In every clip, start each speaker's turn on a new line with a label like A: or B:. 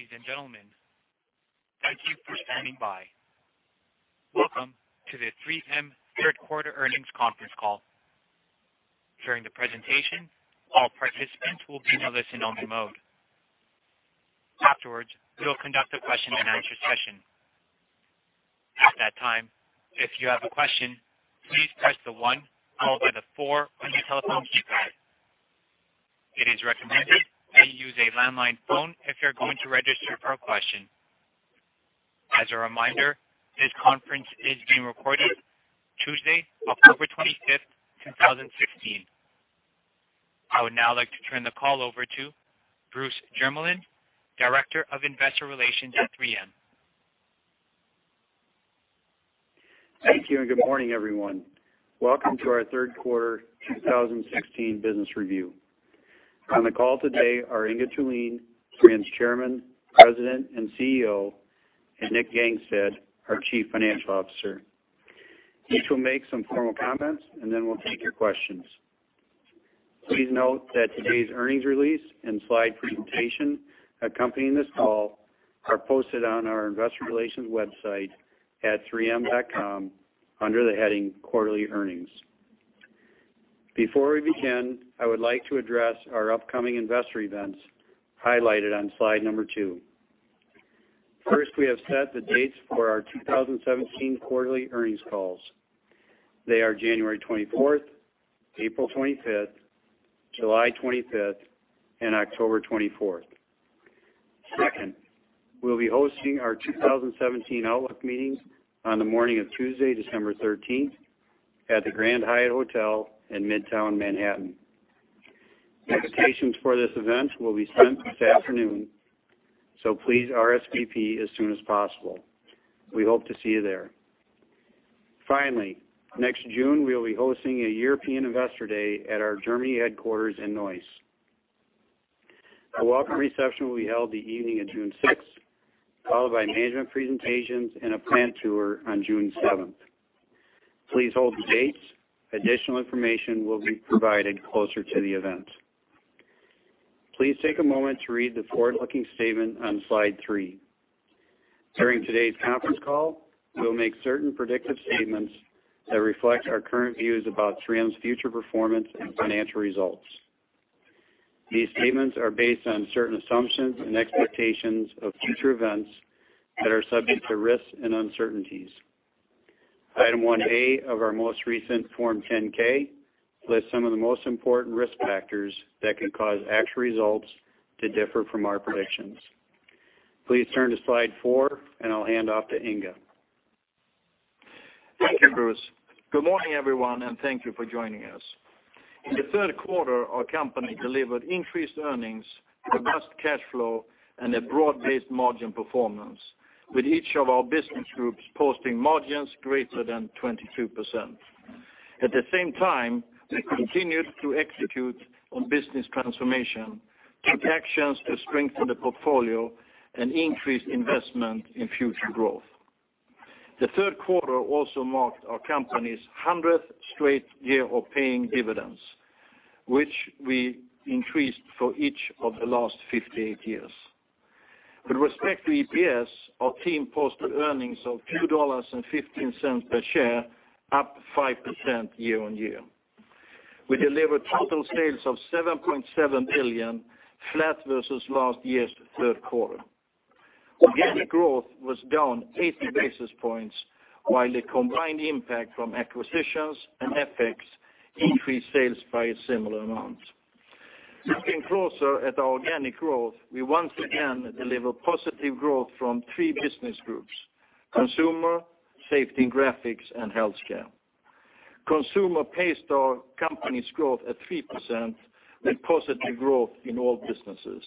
A: Ladies and gentlemen, thank you for standing by. Welcome to the 3M Third Quarter Earnings Conference Call. During the presentation, all participants will be in a listen-only mode. Afterwards, we will conduct a question-and-answer session. At that time, if you have a question, please press the one followed by the four on your telephone keypad. It is recommended that you use a landline phone if you're going to register for a question. As a reminder, this conference is being recorded Tuesday, October 25th, 2016. I would now like to turn the call over to Bruce Jermeland, Director of Investor Relations at 3M.
B: Thank you. Good morning, everyone. Welcome to our third quarter 2016 business review. On the call today are Inge Thulin, 3M's Chairman, President, and CEO, and Nick Gangestad, our Chief Financial Officer. Each will make some formal comments. Then we'll take your questions. Please note that today's earnings release and slide presentation accompanying this call are posted on our investor relations website at 3m.com under the heading Quarterly Earnings. Before we begin, I would like to address our upcoming investor events highlighted on slide number two. First, we have set the dates for our 2017 quarterly earnings calls. They are January 24th, April 25th, July 25th, and October 24th. Second, we'll be hosting our 2017 outlook meetings on the morning of Tuesday, December 13th, at the Grand Hyatt Hotel in Midtown Manhattan. Invitations for this event will be sent this afternoon, so please RSVP as soon as possible. We hope to see you there. Next June, we'll be hosting a European Investor Day at our Germany headquarters in Neuss. A welcome reception will be held the evening of June 6th, followed by management presentations and a plant tour on June 7th. Please hold the dates. Additional information will be provided closer to the event. Please take a moment to read the forward-looking statement on slide three. During today's conference call, we'll make certain predictive statements that reflect our current views about 3M's future performance and financial results. These statements are based on certain assumptions and expectations of future events that are subject to risks and uncertainties. Item 1A of our most recent Form 10-K lists some of the most important risk factors that could cause actual results to differ from our predictions. Please turn to slide four. I'll hand off to Inge.
C: Thank you, Bruce. Good morning, everyone. Thank you for joining us. In the third quarter, our company delivered increased earnings, robust cash flow, and a broad-based margin performance, with each of our business groups posting margins greater than 22%. At the same time, we continued to execute on business transformation, took actions to strengthen the portfolio, and increased investment in future growth. The third quarter also marked our company's 100th straight year of paying dividends, which we increased for each of the last 58 years. With respect to EPS, our team posted earnings of $2.15 per share, up 5% year-on-year. We delivered total sales of $7.7 billion, flat versus last year's third quarter. Organic growth was down 80 basis points, while the combined impact from acquisitions and FX increased sales by a similar amount. Looking closer at our organic growth, we once again delivered positive growth from three business groups, Consumer, Safety and Graphics, and Healthcare. Consumer paced our company's growth at 3% with positive growth in all businesses.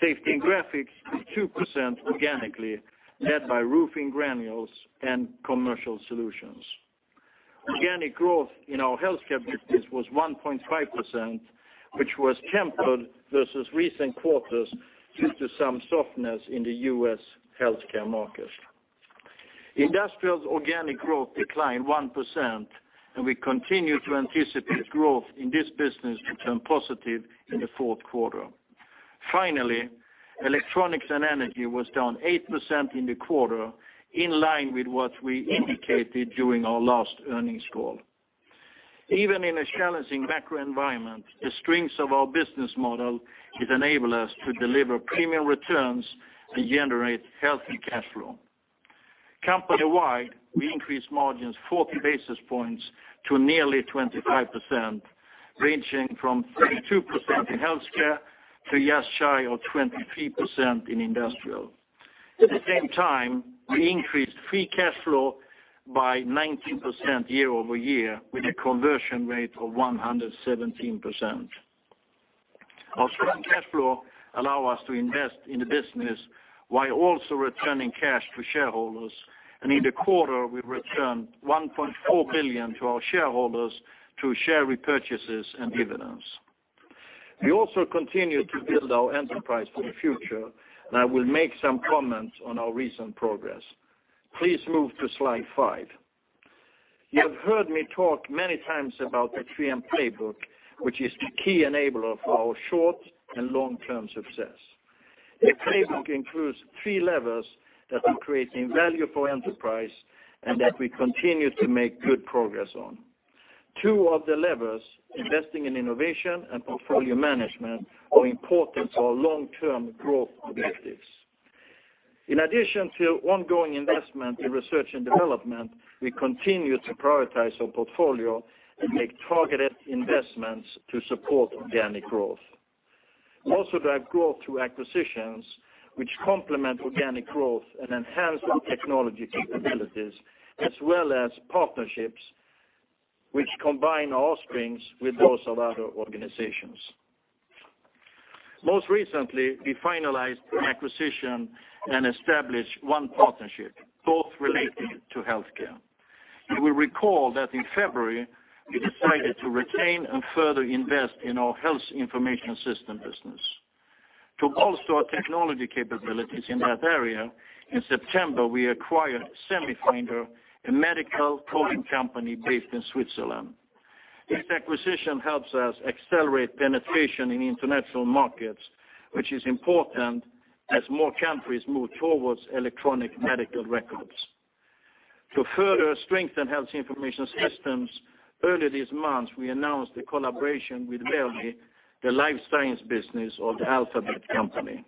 C: Safety and Graphics grew 2% organically, led by Roofing Granules and Commercial Solutions. Organic growth in our Healthcare business was 1.5%, which was tempered versus recent quarters due to some softness in the U.S. healthcare market. Industrial's organic growth declined 1%, and we continue to anticipate growth in this business to turn positive in the fourth quarter. Finally, Electronics and Energy was down 8% in the quarter, in line with what we indicated during our last earnings call. Even in a challenging macro environment, the strengths of our business model has enabled us to deliver premium returns and generate healthy cash flow. Company-wide, we increased margins 40 basis points to nearly 25%, ranging from 32% in Healthcare to just shy of 23% in Industrial. At the same time, we increased free cash flow by 19% year-over-year, with a conversion rate of 117%. Our strong cash flow allow us to invest in the business while also returning cash to shareholders. In the quarter, we returned $1.4 billion to our shareholders through share repurchases and dividends. We also continue to build our enterprise for the future. I will make some comments on our recent progress. Please move to slide five. You have heard me talk many times about the 3M playbook, which is the key enabler of our short and long-term success. The playbook includes three levers that are creating value for enterprise and that we continue to make good progress on. Two of the levers, investing in innovation and portfolio management, are important for our long-term growth objectives. In addition to ongoing investment in research and development, we continue to prioritize our portfolio and make targeted investments to support organic growth. We also drive growth through acquisitions, which complement organic growth and enhance our technology capabilities as well as partnerships, which combine our strengths with those of other organizations. Most recently, we finalized an acquisition and established one partnership, both related to Healthcare. You will recall that in February, we decided to retain and further invest in our health information system business. To bolster our technology capabilities in that area, in September, we acquired Semfinder, a medical coding company based in Switzerland. This acquisition helps us accelerate penetration in international markets, which is important as more countries move towards electronic medical records. To further strengthen health information systems, earlier this month, we announced a collaboration with Verily, the life science business of the Alphabet company.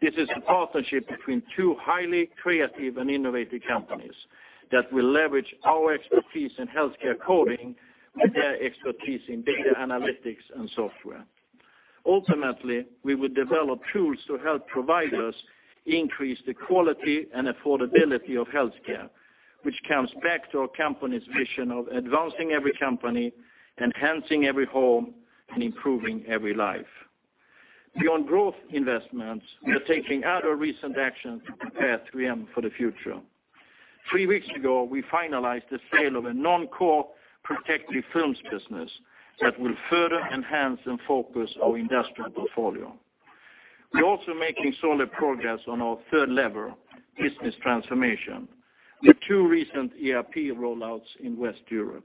C: This is a partnership between two highly creative and innovative companies that will leverage our expertise in Healthcare coding with their expertise in data analytics and software. Ultimately, we will develop tools to help providers increase the quality and affordability of Healthcare, which comes back to our company's mission of advancing every company, enhancing every home, and improving every life. Beyond growth investments, we are taking other recent actions to prepare 3M for the future. Three weeks ago, we finalized the sale of a non-core protective films business that will further enhance and focus our Industrial portfolio. We're also making solid progress on our third lever, business transformation, with two recent ERP rollouts in West Europe.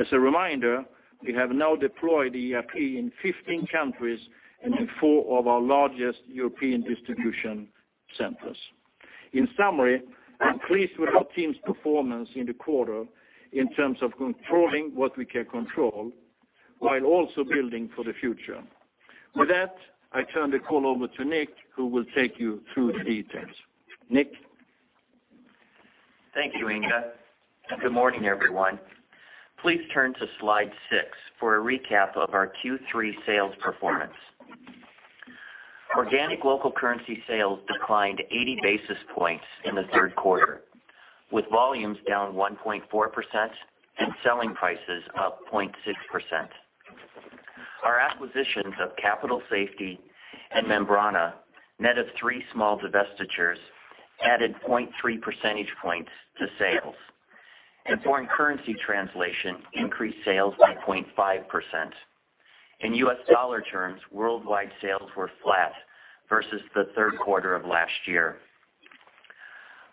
C: As a reminder, we have now deployed ERP in 15 countries and in four of our largest European distribution centers. In summary, I'm pleased with our team's performance in the quarter in terms of controlling what we can control while also building for the future. With that, I turn the call over to Nick, who will take you through the details. Nick?
D: Thank you, Inge. Good morning, everyone. Please turn to Slide six for a recap of our Q3 sales performance. Organic local currency sales declined 80 basis points in the third quarter, with volumes down 1.4% and selling prices up 0.6%. Our acquisitions of Capital Safety and Membrana, net of three small divestitures, added 0.3 percentage points to sales. Foreign currency translation increased sales by 0.5%. In U.S. dollar terms, worldwide sales were flat versus the third quarter of last year.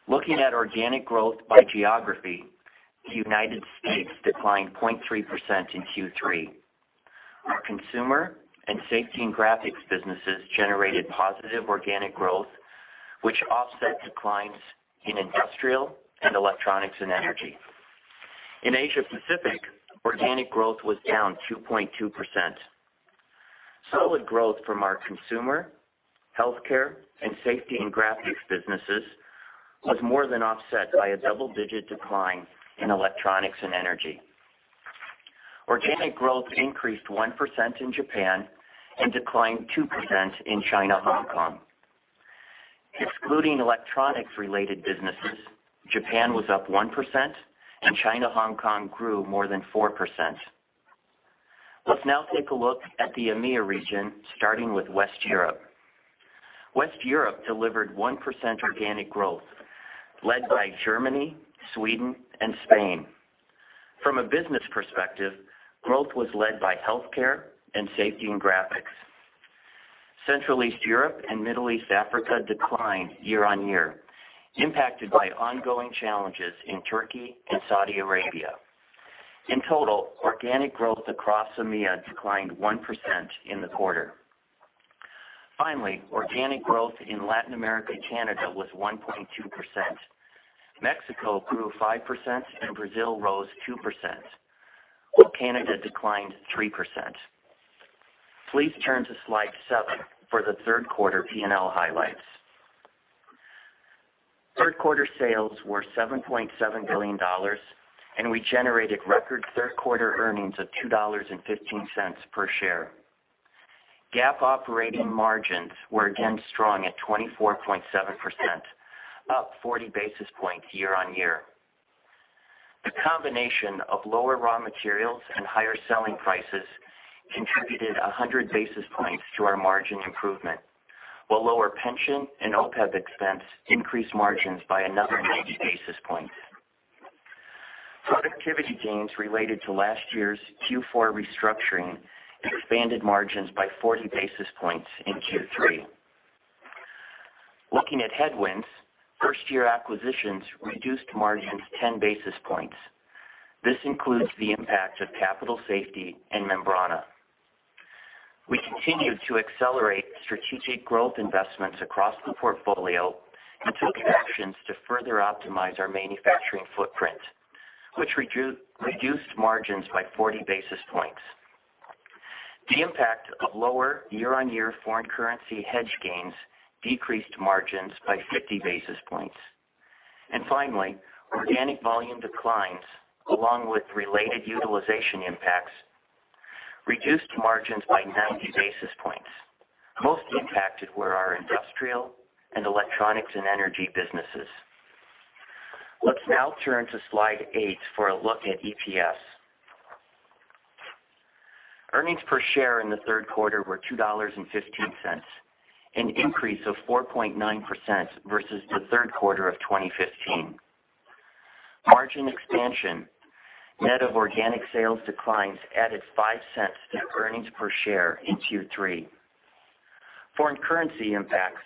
D: Looking at organic growth by geography, the United States declined 0.3% in Q3. Our Consumer and Safety and Graphics businesses generated positive organic growth, which offset declines in Industrial and Electronics and Energy. In Asia Pacific, organic growth was down 2.2%. Solid growth from our Consumer, Healthcare, and Safety and Graphics businesses was more than offset by a double-digit decline in Electronics and Energy. Organic growth increased 1% in Japan and declined 2% in China/Hong Kong. Excluding electronics-related businesses, Japan was up 1%, and China/Hong Kong grew more than 4%. Let's now take a look at the EMEA region, starting with West Europe. West Europe delivered 1% organic growth, led by Germany, Sweden, and Spain. From a business perspective, growth was led by Healthcare and Safety and Graphics. Central East Europe and Middle East Africa declined year-on-year, impacted by ongoing challenges in Turkey and Saudi Arabia. In total, organic growth across EMEA declined 1% in the quarter. Finally, organic growth in Latin America/Canada was 1.2%. Mexico grew 5%, and Brazil rose 2%, while Canada declined 3%. Please turn to Slide seven for the third quarter P&L highlights. Third-quarter sales were $7.7 billion, and we generated record third-quarter earnings of $2.15 per share. GAAP operating margins were again strong at 24.7%, up 40 basis points year-on-year. The combination of lower raw materials and higher selling prices contributed 100 basis points to our margin improvement, while lower pension and OPEB expense increased margins by another 90 basis points. Productivity gains related to last year's Q4 restructuring expanded margins by 40 basis points in Q3. Looking at headwinds, first-year acquisitions reduced margins 10 basis points. This includes the impact of Capital Safety and Membrana. We continued to accelerate strategic growth investments across the portfolio and took actions to further optimize our manufacturing footprint, which reduced margins by 40 basis points. The impact of lower year-on-year foreign currency hedge gains decreased margins by 50 basis points. Finally, organic volume declines, along with related utilization impacts, reduced margins by 90 basis points. Most impacted were our Industrial and Electronics and Energy businesses. Let's now turn to slide eight for a look at EPS. Earnings per share in the third quarter were $2.15, an increase of 4.9% versus the third quarter of 2015. Margin expansion, net of organic sales declines added $0.05 to earnings per share in Q3. Foreign currency impacts,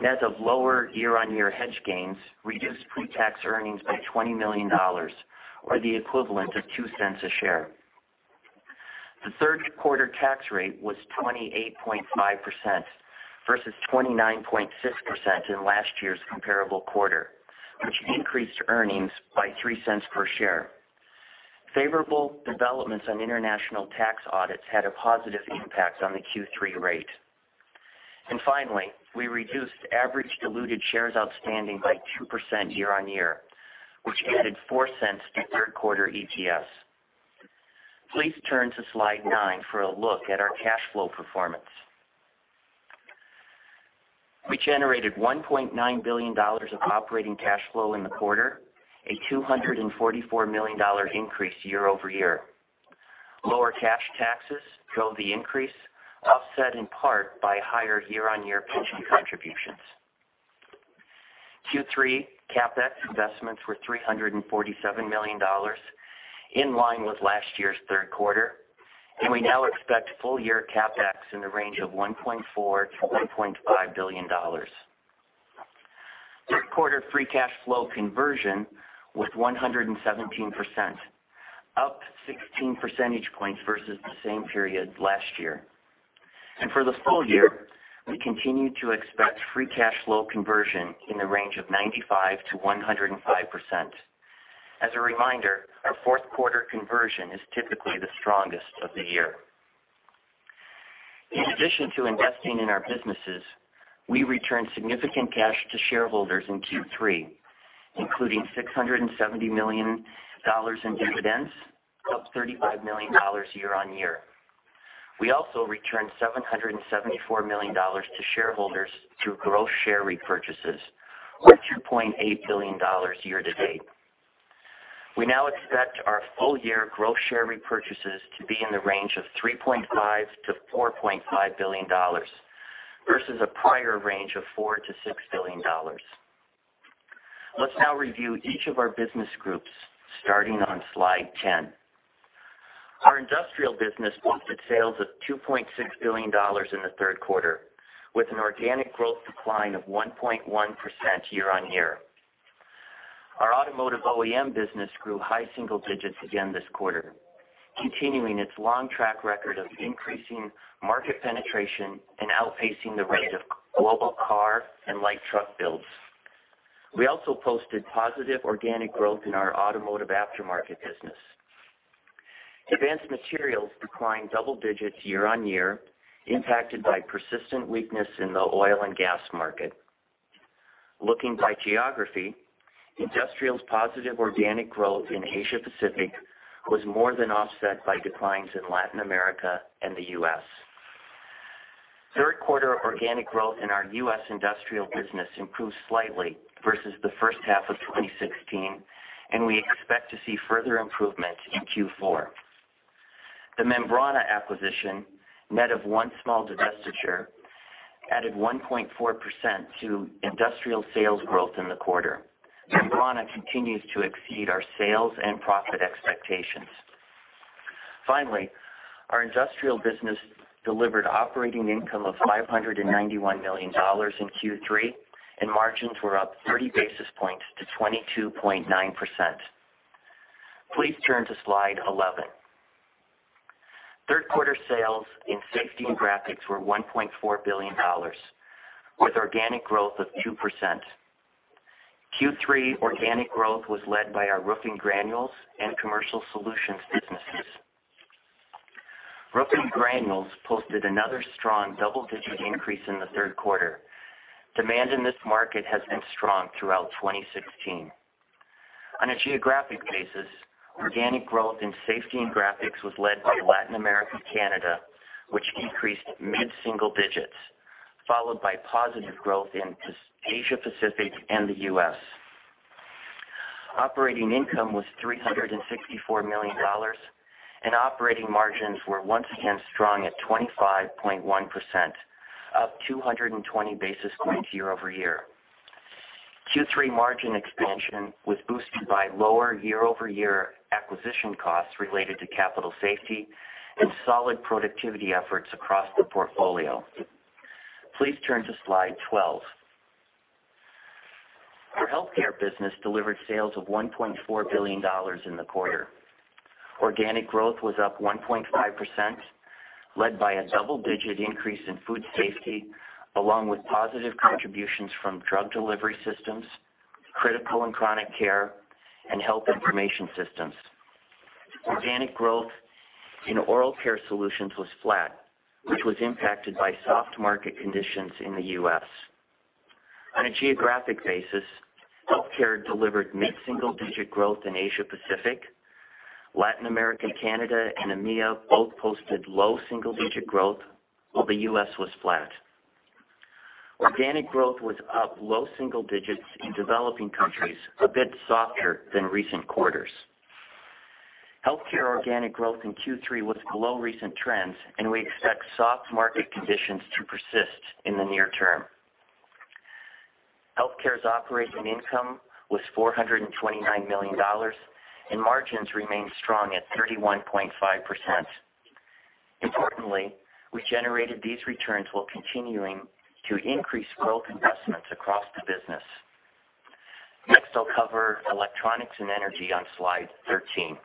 D: net of lower year-on-year hedge gains reduced pre-tax earnings by $20 million, or the equivalent of $0.02 a share. The third quarter tax rate was 28.5% versus 29.6% in last year's comparable quarter, which increased earnings by $0.03 per share. Favorable developments on international tax audits had a positive impact on the Q3 rate. We reduced average diluted shares outstanding by 2% year-on-year, which added $0.04 to third quarter EPS. Please turn to slide nine for a look at our cash flow performance. We generated $1.9 billion of operating cash flow in the quarter, a $244 million increase year-over-year. Lower cash taxes drove the increase, offset in part by higher year-on-year pension contributions. Q3 CapEx investments were $347 million, in line with last year's third quarter, and we now expect full-year CapEx in the range of $1.4 billion-$1.5 billion. Third quarter free cash flow conversion was 117%, up 16 percentage points versus the same period last year. For the full year, we continue to expect free cash flow conversion in the range of 95%-105%. As a reminder, our fourth quarter conversion is typically the strongest of the year. In addition to investing in our businesses, we returned significant cash to shareholders in Q3, including $670 million in dividends, up $35 million year-on-year. We also returned $774 million to shareholders through gross share repurchases, or $2.8 billion year-to-date. We now expect our full year gross share repurchases to be in the range of $3.5 billion-$4.5 billion, versus a prior range of $4 billion-$6 billion. Let's now review each of our business groups, starting on slide 10. Our Industrial business posted sales of $2.6 billion in the third quarter, with an organic growth decline of 1.1% year-on-year. Our automotive OEM business grew high single digits again this quarter, continuing its long track record of increasing market penetration and outpacing the rate of global car and light truck builds. We also posted positive organic growth in our automotive aftermarket business. Advanced materials declined double digits year-on-year, impacted by persistent weakness in the oil and gas market. Looking by geography, Industrial's positive organic growth in Asia Pacific was more than offset by declines in Latin America and the U.S. Third quarter organic growth in our U.S. Industrial business improved slightly versus the first half of 2016. We expect to see further improvements in Q4. The Membrana acquisition, net of one small divestiture, added 1.4% to Industrial sales growth in the quarter. Membrana continues to exceed our sales and profit expectations. Our Industrial business delivered operating income of $591 million in Q3, margins were up 30 basis points to 22.9%. Please turn to slide 11. Third quarter sales in Safety and Graphics were $1.4 billion, with organic growth of 2%. Q3 organic growth was led by our Roofing Granules and Commercial Solutions businesses. Roofing Granules posted another strong double-digit increase in the third quarter. Demand in this market has been strong throughout 2016. On a geographic basis, organic growth in Safety and Graphics was led by Latin America and Canada, which increased mid-single-digits, followed by positive growth in Asia Pacific and the U.S. Operating income was $364 million, and operating margins were once again strong at 25.1%, up 220 basis points year-over-year. Q3 margin expansion was boosted by lower year-over-year acquisition costs related to Capital Safety and solid productivity efforts across the portfolio. Please turn to Slide 12. Our Healthcare business delivered sales of $1.4 billion in the quarter. Organic growth was up 1.5%, led by a double-digit increase in food safety, along with positive contributions from drug delivery systems, critical and chronic care, and health information systems. Organic growth in oral care solutions was flat, which was impacted by soft market conditions in the U.S. On a geographic basis, Healthcare delivered mid-single-digit growth in Asia Pacific. Latin America, Canada, and EMEA both posted low-single-digit growth, while the U.S. was flat. Organic growth was up low-single-digits in developing countries, a bit softer than recent quarters. Healthcare organic growth in Q3 was below recent trends, and we expect soft market conditions to persist in the near term. Healthcare's operating income was $429 million, and margins remained strong at 31.5%. Importantly, we generated these returns while continuing to increase growth investments across the business. Next, I'll cover Electronics and Energy on Slide 13.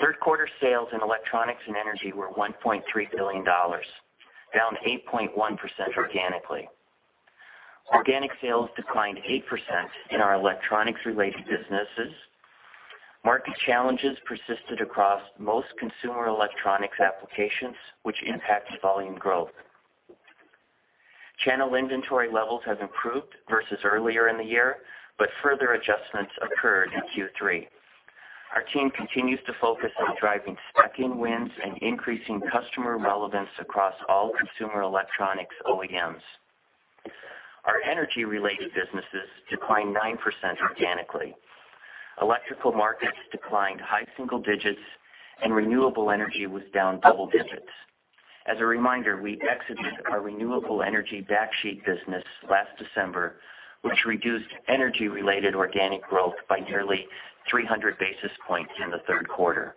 D: Third quarter sales in Electronics and Energy were $1.3 billion, down 8.1% organically. Organic sales declined 8% in our electronics-related businesses. Market challenges persisted across most consumer electronics applications, which impacted volume growth. Channel inventory levels have improved versus earlier in the year, but further adjustments occurred in Q3. Our team continues to focus on driving spec-in wins and increasing customer relevance across all consumer electronics OEMs. Our energy-related businesses declined 9% organically. Electrical markets declined high-single-digits, and renewable energy was down double-digits. As a reminder, we exited our renewable energy backsheet business last December, which reduced energy-related organic growth by nearly 300 basis points in the third quarter.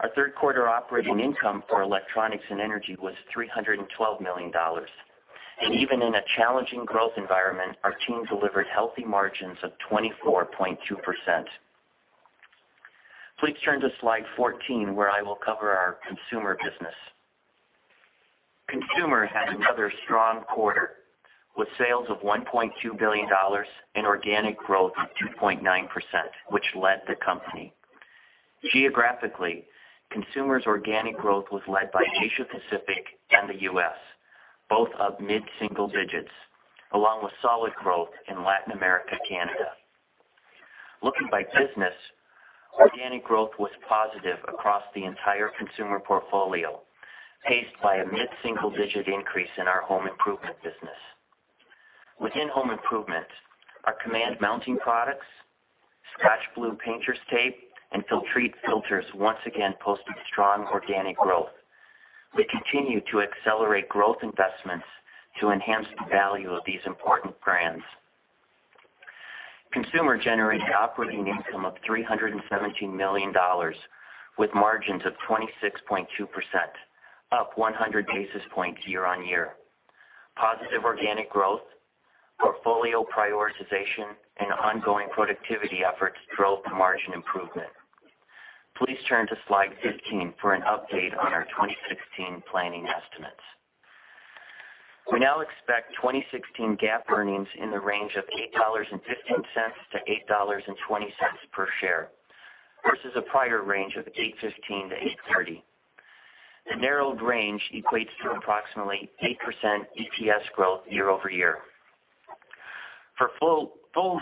D: Our third quarter operating income for Electronics and Energy was $312 million, and even in a challenging growth environment, our team delivered healthy margins of 24.2%. Please turn to Slide 14, where I will cover our Consumer business. Consumer had another strong quarter, with sales of $1.2 billion and organic growth of 2.9%, which led the company. Geographically, Consumer's organic growth was led by Asia Pacific and the U.S., both up mid-single-digits, along with solid growth in Latin America, Canada. Looking by business, organic growth was positive across the entire Consumer portfolio, paced by a mid-single-digit increase in our home improvement business. Within home improvement, our Command mounting products, ScotchBlue painter's tape, and Filtrete filters once again posted strong organic growth. We continue to accelerate growth investments to enhance the value of these important brands. Consumer generated operating income of $317 million, with margins of 26.2%, up 100 basis points year-on-year. Positive organic growth, portfolio prioritization, and ongoing productivity efforts drove the margin improvement. Please turn to Slide 15 for an update on our 2016 planning estimates. We now expect 2016 GAAP earnings in the range of $8.15 to $8.20 per share, versus a prior range of $8.15 to $8.30. The narrowed range equates to approximately 8% EPS growth year-over-year. For full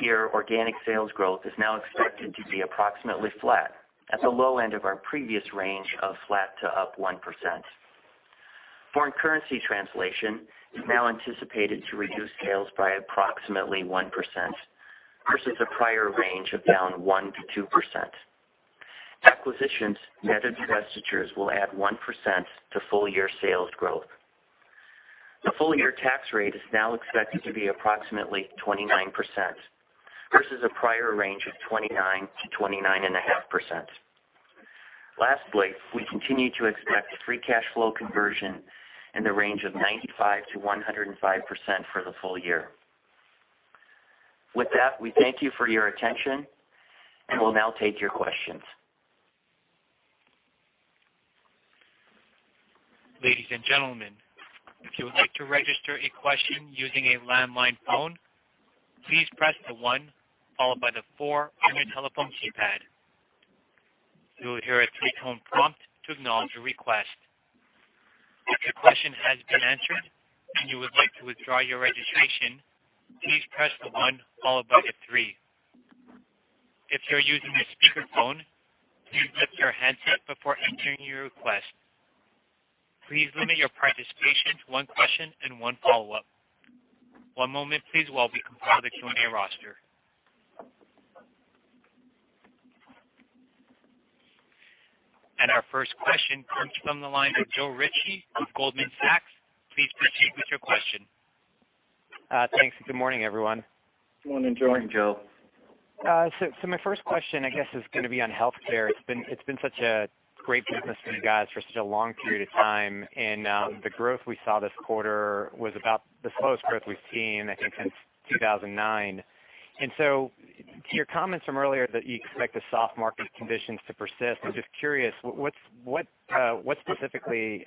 D: year, organic sales growth is now expected to be approximately flat, at the low end of our previous range of flat to up 1%. Foreign currency translation is now anticipated to reduce sales by approximately 1%, versus a prior range of down 1%-2%. Acquisitions net of divestitures will add 1% to full-year sales growth. The full-year tax rate is now expected to be approximately 29%, versus a prior range of 29%-29.5%. Lastly, we continue to expect free cash flow conversion in the range of 95%-105% for the full year. With that, we thank you for your attention, will now take your questions.
A: Ladies and gentlemen, if you would like to register a question using a landline phone, please press the one followed by the four on your telephone keypad. You will hear a three-tone prompt to acknowledge your request. If your question has been answered and you would like to withdraw your registration, please press the one followed by the three. If you're using a speakerphone, please mute your handset before entering your request. Please limit your participation to one question and one follow-up. One moment please while we compile the Q&A roster. Our first question comes from the line of Joe Ritchie of Goldman Sachs. Please proceed with your question.
E: Thanks, good morning, everyone.
C: Morning, Joe.
E: My first question, I guess, is going to be on Healthcare. It's been such a great business for you guys for such a long period of time, and the growth we saw this quarter was about the slowest growth we've seen, I think, since 2009. Your comments from earlier that you expect the soft market conditions to persist. I'm just curious, what specifically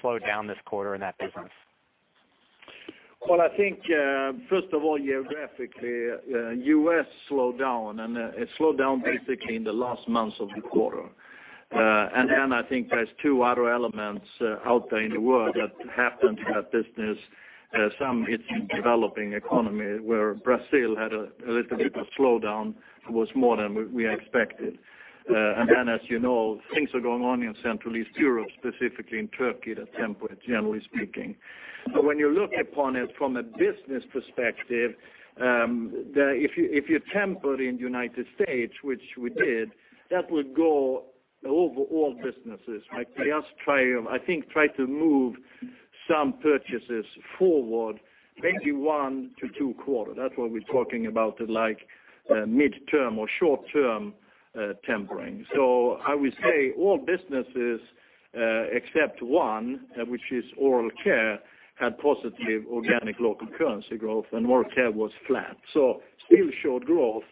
E: slowed down this quarter in that business?
C: I think, first of all, geographically, U.S. slowed down, and it slowed down basically in the last months of the quarter. I think there's two other elements out there in the world that happened to that business. Some it's developing economy, where Brazil had a little bit of slowdown. It was more than we expected. As you know, things are going on in Central East Europe, specifically in Turkey, that temper it, generally speaking. When you look upon it from a business perspective, if you temper in the United States, which we did, that would go over all businesses, right? We just, I think, try to move some purchases forward, maybe one to two quarter. That's what we're talking about, like midterm or short-term tempering. I would say all businesses, except one, which is oral care, had positive organic local currency growth, and oral care was flat. Still showed growth,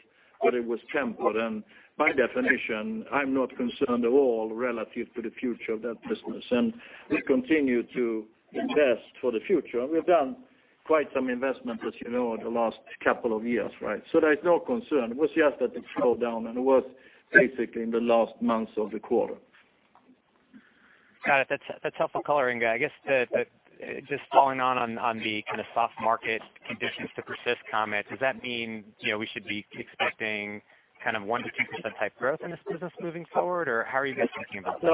C: but it was tempered. By definition, I'm not concerned at all relative to the future of that business. We continue to invest for the future. We've done quite some investment, as you know, over the last couple of years, right? There's no concern. It was just that it slowed down, and it was basically in the last months of the quarter.
E: Got it. That's helpful coloring. I guess, just following on the kind of soft market conditions to persist comment, does that mean we should be expecting kind of 1%-2% type growth in this business moving forward? Or how are you guys thinking about that?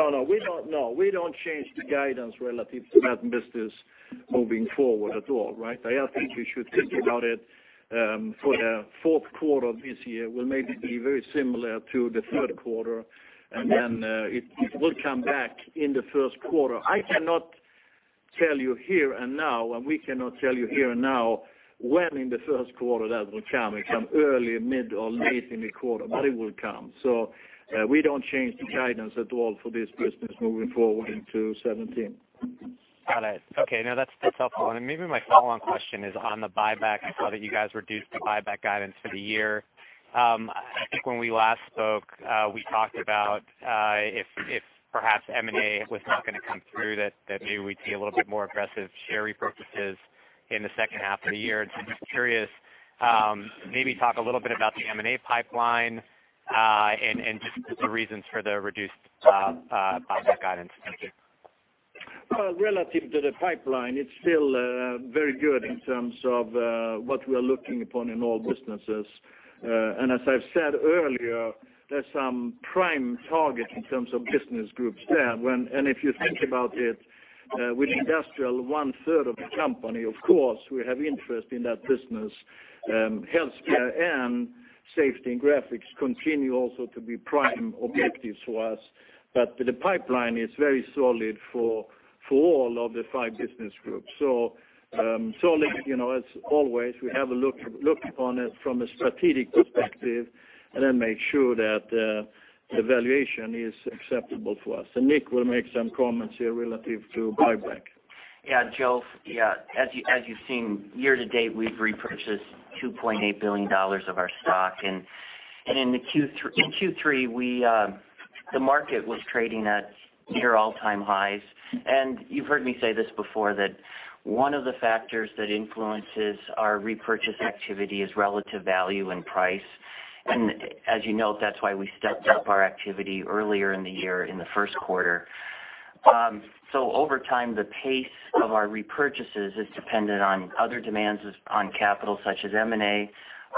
C: No, we don't change the guidance relative to that business moving forward at all, right? I think you should think about it for the fourth quarter of this year, will maybe be very similar to the third quarter, and then it will come back in the first quarter. I cannot tell you here and now, and we cannot tell you here and now when in the first quarter that will come. It come early, mid, or late in the quarter, but it will come. We don't change the guidance at all for this business moving forward into 2017.
E: Got it. Okay. No, that's helpful. Maybe my follow-on question is on the buyback. I saw that you guys reduced the buyback guidance for the year. I think when we last spoke, we talked about if perhaps M&A was not going to come through, that maybe we'd see a little bit more aggressive share repurchases in the second half of the year. I'm just curious, maybe talk a little bit about the M&A pipeline, and just the reasons for the reduced buyback guidance. Thank you.
C: Relative to the pipeline, it's still very good in terms of what we are looking upon in all businesses. As I've said earlier, there's some prime target in terms of business groups there. If you think about it, with Industrial one-third of the company, of course, we have interest in that business. Healthcare and Safety and Graphics continue also to be prime objectives for us. The pipeline is very solid for all of the five business groups. As always, we have a look upon it from a strategic perspective and then make sure that the valuation is acceptable for us. Nick will make some comments here relative to buyback.
D: Yeah, Joe, as you've seen, year to date, we've repurchased $2.8 billion of our stock. In Q3, the market was trading at near all-time highs. You've heard me say this before, that one of the factors that influences our repurchase activity is relative value and price. As you note, that's why we stepped up our activity earlier in the year in the first quarter. Over time, the pace of our repurchases is dependent on other demands on capital, such as M&A,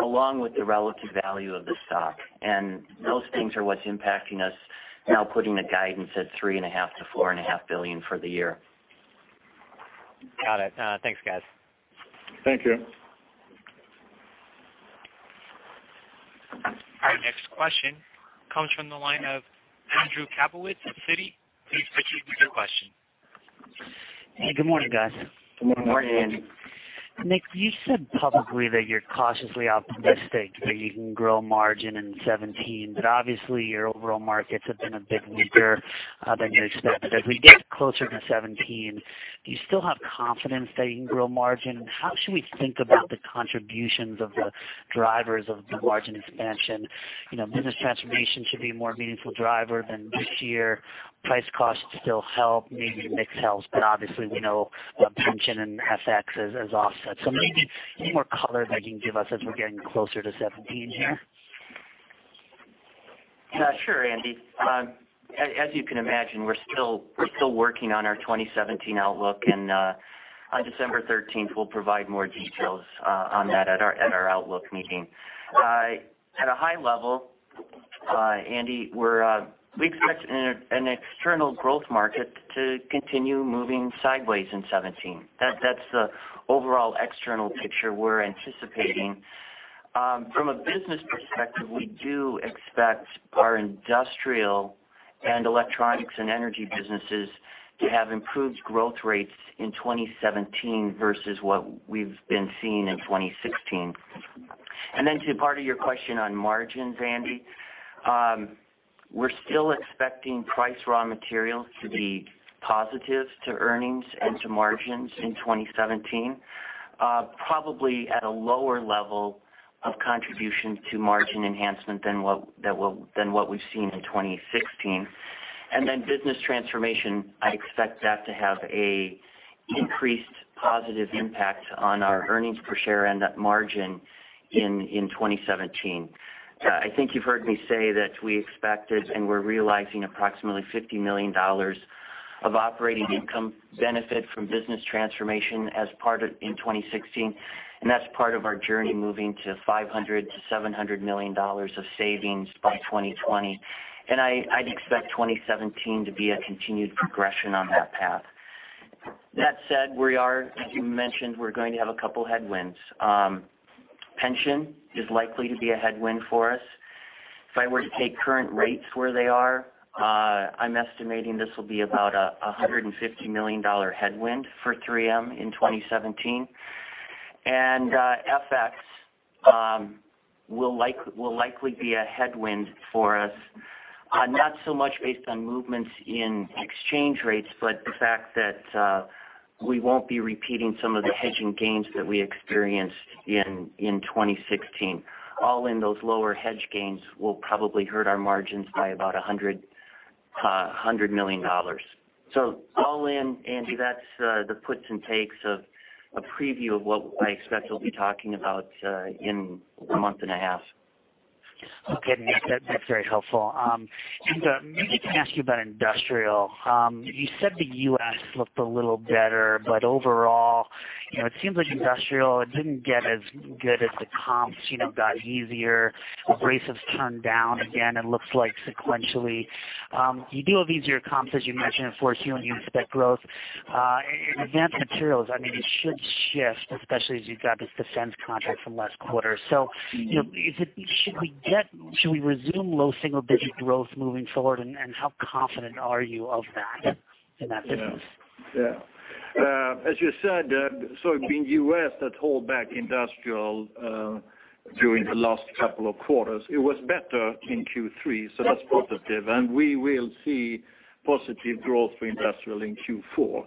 D: along with the relative value of the stock. Those things are what's impacting us now putting the guidance at $3.5 billion-$4.5 billion for the year.
E: Got it. Thanks, guys.
C: Thank you.
A: Our next question comes from the line of Andrew Kaplowitz, Citi. Please proceed with your question.
F: Hey, good morning, guys.
C: Good morning, Andy.
F: Nick, you said publicly that you're cautiously optimistic that you can grow margin in 2017, obviously, your overall markets have been a bit weaker than you expected. As we get closer to 2017, do you still have confidence that you can grow margin? How should we think about the contributions of the drivers of the margin expansion? Business transformation should be a more meaningful driver than this year. Price/cost still help, maybe mix helps, obviously we know the pension and FX as offsets. Maybe any more color that you can give us as we're getting closer to 2017 here?
D: Sure, Andy. As you can imagine, we're still working on our 2017 outlook, on December 13th, we'll provide more details on that at our outlook meeting. At a high level, Andy, we expect an external growth market to continue moving sideways in 2017. That's the overall external picture we're anticipating. From a business perspective, we do expect our Industrial and Electronics and Energy businesses to have improved growth rates in 2017 versus what we've been seeing in 2016. Then to part of your question on margins, Andy, we're still expecting price raw materials to be positive to earnings and to margins in 2017, probably at a lower level of contribution to margin enhancement than what we've seen in 2016. Then business transformation, I expect that to have an increased positive impact on our earnings per share and that margin in 2017. I think you've heard me say that we expected, we're realizing approximately $50 million of operating income benefit from business transformation as part of in 2016, that's part of our journey, moving to $500 million-$700 million of savings by 2020. I'd expect 2017 to be a continued progression on that path. That said, we are, as you mentioned, we're going to have a couple of headwinds. Pension is likely to be a headwind for us. If I were to take current rates where they are, I'm estimating this will be about a $150 million headwind for 3M in 2017. FX will likely be a headwind for us, not so much based on movements in exchange rates, but the fact that we won't be repeating some of the hedging gains that we experienced in 2016. All in, those lower hedge gains will probably hurt our margins by about $100 million. All in, Andy, that's the puts and takes of a preview of what I expect we'll be talking about in a month and a half.
F: Okay, Nick, that's very helpful. Inge, maybe can I ask you about Industrial? You said the U.S. looked a little better, but overall, it seems like Industrial, it didn't get as good as the comps got easier. Abrasives turned down again, it looks like sequentially. You do have easier comps, as you mentioned, for Q1. You expect growth. In Advanced Materials, it should shift, especially as you got this defense contract from last quarter. Should we resume low single-digit growth moving forward, and how confident are you of that in that business?
C: Yeah. As you said, it's been U.S. that hold back Industrial during the last couple of quarters. It was better in Q3, that's positive. We will see positive growth for Industrial in Q4.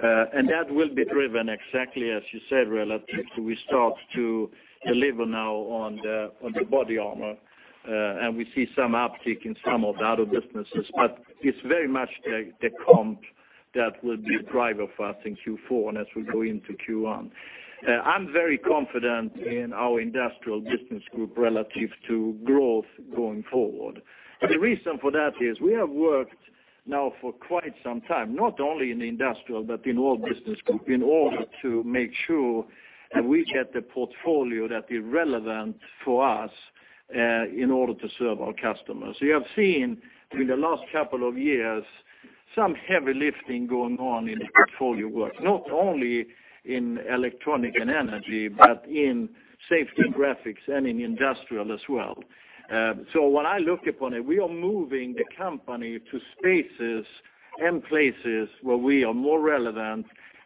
C: That will be driven exactly as you said, relative to we start to deliver now on the body armor, and we see some uptick in some of the other businesses. It's very much the comp that will be a driver for us in Q4 and as we go into Q1. I'm very confident in our Industrial Business Group relative to growth going forward. The reason for that is we have worked now for quite some time, not only in Industrial, but in all Business Group, in order to make sure that we get the portfolio that is relevant for us in order to serve our customers. You have seen in the last couple of years, some heavy lifting going on in the portfolio work, not only in Electronics and Energy, but in Safety and Graphics and in Industrial as well. When I look upon it, we are moving the company to spaces and places where we are more relevant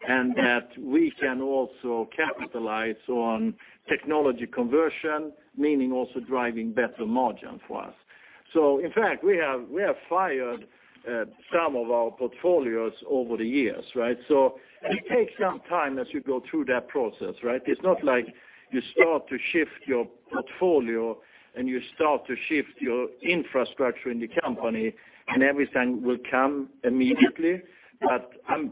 C: and that we can also capitalize on technology conversion, meaning also driving better margin for us. In fact, we have fired some of our portfolios over the years. It takes some time as you go through that process. It's not like you start to shift your portfolio and you start to shift your infrastructure in the company, and everything will come immediately.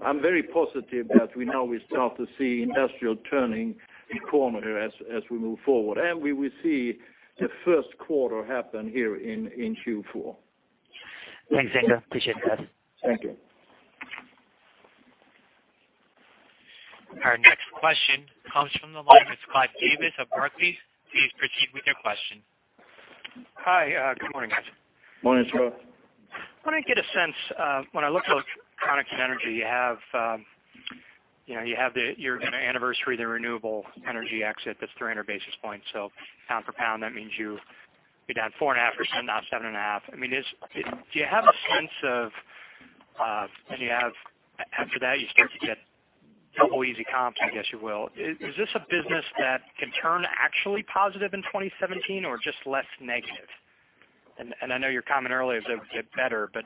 C: I'm very positive that we now start to see Industrial turning a corner here as we move forward. We will see the first quarter happen here in Q4.
F: Thanks, Inge. Appreciate that.
C: Thank you.
A: Our next question comes from the line of Scott Davis of Barclays. Please proceed with your question.
G: Hi, good morning, guys.
C: Morning, Scott.
G: I want to get a sense of when I look at Electronics and Energy, you have your anniversary, the renewable energy exit, that's 300 basis points. Pound for pound, that means you'd be down 4.5% not 7.5%. Do you have a sense of when you have after that, you start to get double easy comps, I guess you will. Is this a business that can turn actually positive in 2017 or just less negative? I know your comment earlier is it would get better, but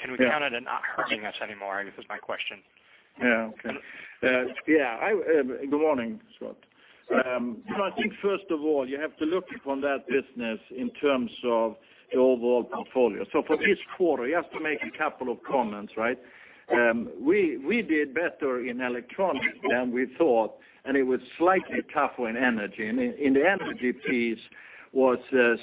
G: can we count it in not hurting us anymore, I guess is my question.
C: Good morning, Scott. I think first of all, you have to look upon that business in terms of the overall portfolio. For this quarter, you have to make a couple of comments. We did better in Electronics than we thought, and it was slightly tougher in Energy. In the Energy piece was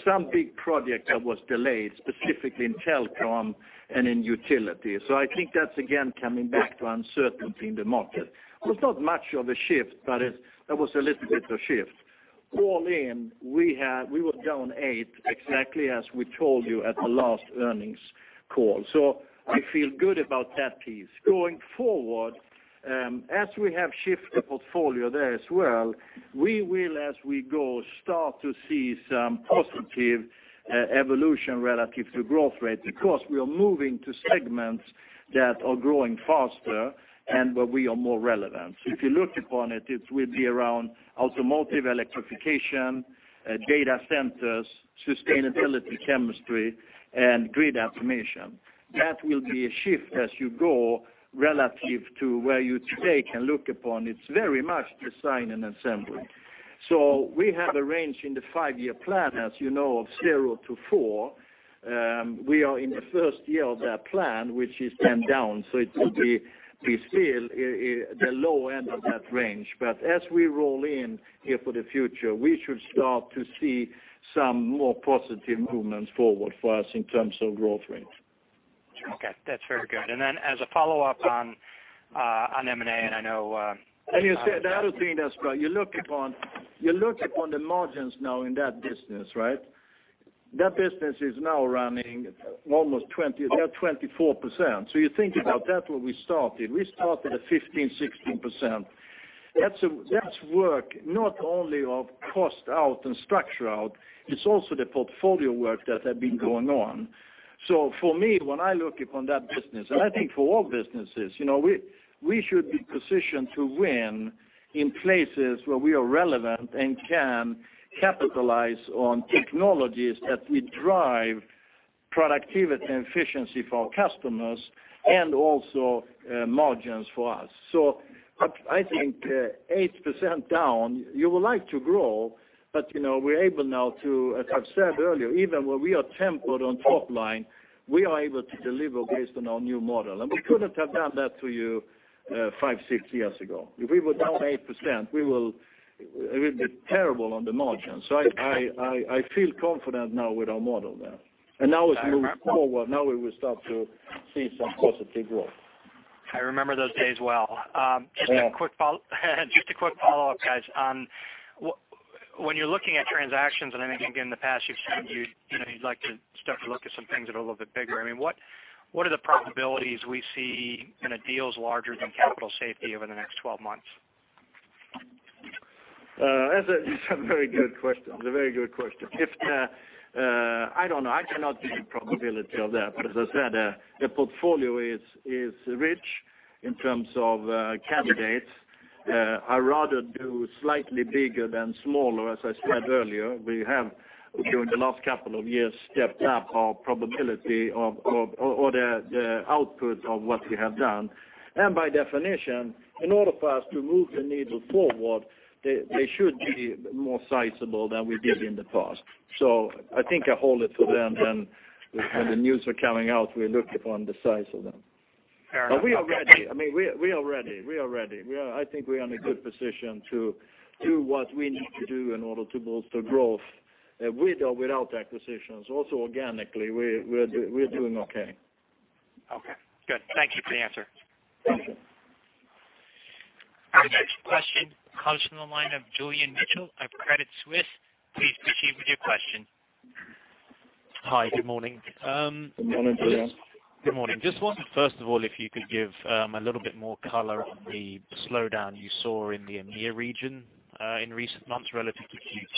C: some big project that was delayed, specifically in telecom and in utility. I think that's, again, coming back to uncertainty in the market. It was not much of a shift, but there was a little bit of shift. All in, we were down 8%, exactly as we told you at the last earnings call. I feel good about that piece. Going forward, as we have shifted portfolio there as well, we will, as we go, start to see some positive evolution relative to growth rate. We are moving to segments that are growing faster and where we are more relevant. If you look upon it will be around automotive electrification, data centers, sustainability chemistry, and grid automation. That will be a shift as you go relative to where you today can look upon. It's very much design and assembly. We have a range in the 5-year plan, as you know, of 0-4%. We are in the 1st year of that plan, which is then down. It will be still the low end of that range. As we roll in here for the future, we should start to see some more positive movements forward for us in terms of growth rate.
G: Okay. That's very good. As a follow-up on M&A, I know-
C: You said the other thing that's probably, you look upon the margins now in that business, right? That business is now running almost 24%. You think about that, where we started. We started at 15%-16%. That's work not only of cost out and structure out, it's also the portfolio work that had been going on. For me, when I look upon that business, and I think for all businesses, we should be positioned to win in places where we are relevant and can capitalize on technologies that will drive productivity and efficiency for our customers, and also margins for us. I think 8% down, you would like to grow, but we're able now to, as I've said earlier, even when we are tempered on top line, we are able to deliver based on our new model, and we couldn't have done that to you 5-6 years ago. If we were down 8%, it would be terrible on the margins. I feel confident now with our model there. As we move forward, now we will start to see some positive growth.
G: I remember those days well.
C: Yeah.
G: Just a quick follow-up, guys. On when you're looking at transactions, and I think in the past you've said you'd like to start to look at some things that are a little bit bigger. What are the probabilities we see in deals larger than Capital Safety over the next 12 months?
C: That's a very good question. It's a very good question. I don't know. I cannot give you probability of that, but as I said, the portfolio is rich in terms of candidates. I rather do slightly bigger than smaller. As I said earlier, we have, during the last couple of years, stepped up our probability or the output of what we have done. By definition, in order for us to move the needle forward, they should be more sizable than we did in the past. I think I hold it to then when the news is coming out, we look upon the size of them.
G: Fair enough.
C: We are ready. I think we are in a good position to do what we need to do in order to bolster growth, with or without acquisitions. Also, organically, we're doing okay.
G: Okay, good. Thank you for the answer.
C: Thank you.
A: Our next question comes from the line of Julian Mitchell of Credit Suisse. Please proceed with your question.
H: Hi. Good morning.
C: Good morning to you.
H: Good morning. First of all, if you could give a little bit more color on the slowdown you saw in the EMEIA region, in recent months relative to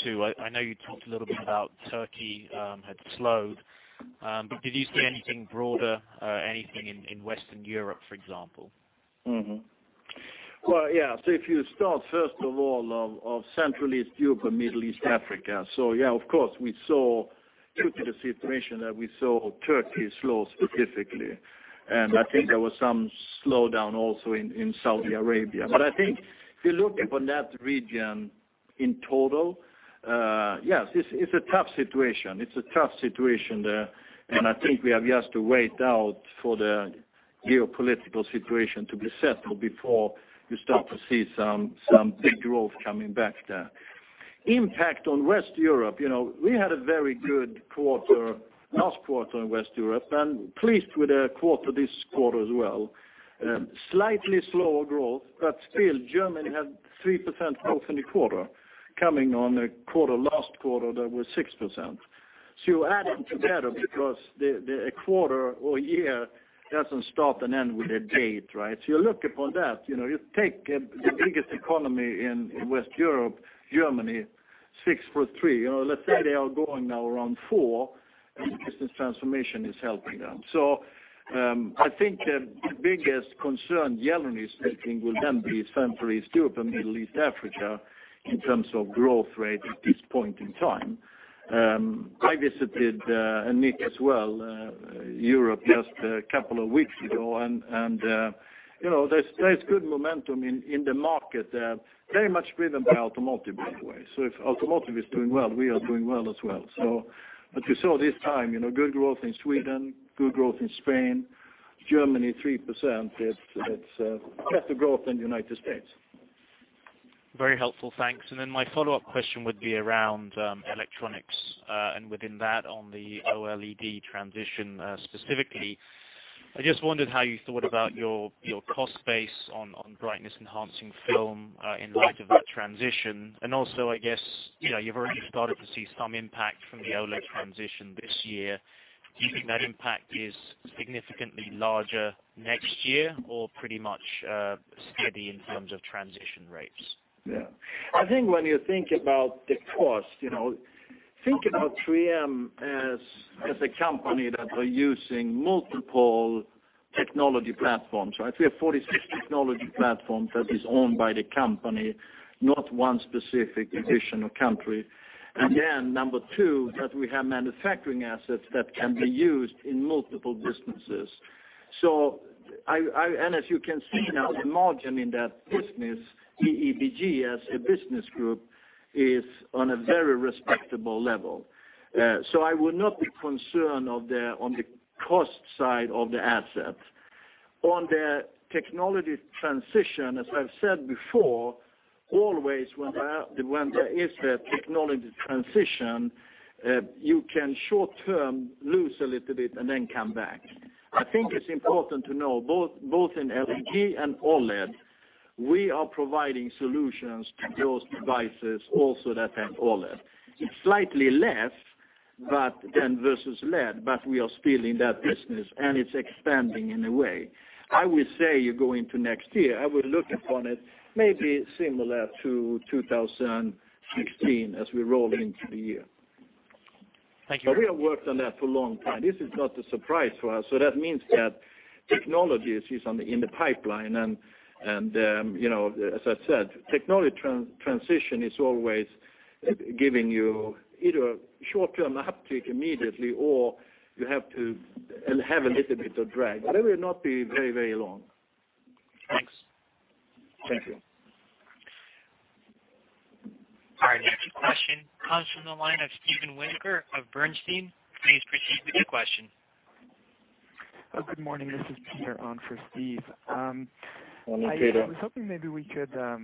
H: Q2. I know you talked a little bit about Turkey had slowed. Did you see anything broader, anything in Western Europe, for example?
C: If you start, first of all, of Central East Europe and Middle East Africa. Of course, we saw, due to the situation there, we saw Turkey slow specifically, and I think there was some slowdown also in Saudi Arabia. I think if you look upon that region in total, yes, it's a tough situation. It's a tough situation there, and I think we have just to wait out for the geopolitical situation to be settled before you start to see some big growth coming back there. Impact on Western Europe. We had a very good quarter last quarter in Western Europe, and pleased with the quarter this quarter as well. Slightly slower growth, but still Germany had 3% growth in the quarter, coming on a quarter last quarter that was 6%. You add them together because a quarter or year doesn't start and end with a date, right? You look upon that, you take the biggest economy in Western Europe, Germany, 6%, let's say they are going now around 4%, and the business transformation is helping them. I think the biggest concern Julian is making will then be Central East Europe and Middle East Africa in terms of growth rate at this point in time. I visited, and Nick as well, Europe just a couple of weeks ago, and there's good momentum in the market there. Very much driven by automotive, by the way. If automotive is doing well, we are doing well as well. You saw this time, good growth in Sweden, good growth in Spain, Germany 3%. It's better growth than United States.
H: Very helpful, thanks. My follow-up question would be around electronics, and within that, on the OLED transition, specifically I just wondered how you thought about your cost base on brightness enhancement film, in light of that transition. I guess, you've already started to see some impact from the OLED transition this year. Do you think that impact is significantly larger next year or pretty much steady in terms of transition rates?
C: Yeah. I think when you think about the cost, think about 3M as a company that are using multiple technology platforms, right? We have 46 technology platforms that is owned by the company, not one specific division or country. Again, number 2, that we have manufacturing assets that can be used in multiple businesses. As you can see now, the margin in that business, EEBG, as a business group, is on a very respectable level. I would not be concerned on the cost side of the asset. On the technology transition, as I've said before, always when there is a technology transition, you can short-term lose a little bit and then come back. I think it's important to know, both in LED and OLED, we are providing solutions to those devices also that have OLED. It's slightly less than versus LED, we are still in that business, and it's expanding in a way. I will say you go into next year, I will look upon it maybe similar to 2016 as we roll into the year.
H: Thank you.
C: We have worked on that for a long time. This is not a surprise to us. That means that technology is in the pipeline, and as I said, technology transition is always giving you either a short-term uptick immediately or you have to have a little bit of drag, but it will not be very long.
H: Thanks.
C: Thank you.
A: Our next question comes from the line of Steven Winoker of Bernstein. Please proceed with your question.
I: Good morning. This is Peter on for Steve.
C: Morning, Peter.
I: I was hoping maybe we could talk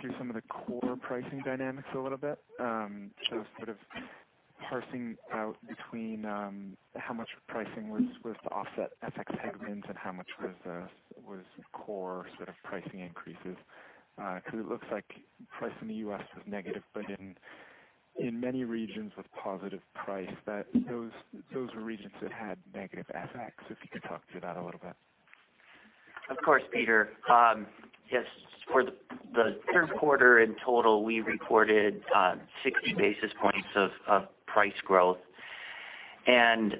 I: through some of the core pricing dynamics a little bit. Just sort of parsing out between how much pricing was to offset FX segments and how much was core sort of pricing increases. It looks like price in the U.S. was negative, but in many regions with positive price, those were regions that had negative FX. If you could talk through that a little bit.
D: Of course, Peter. Yes, for the third quarter in total, we recorded 60 basis points of price growth, and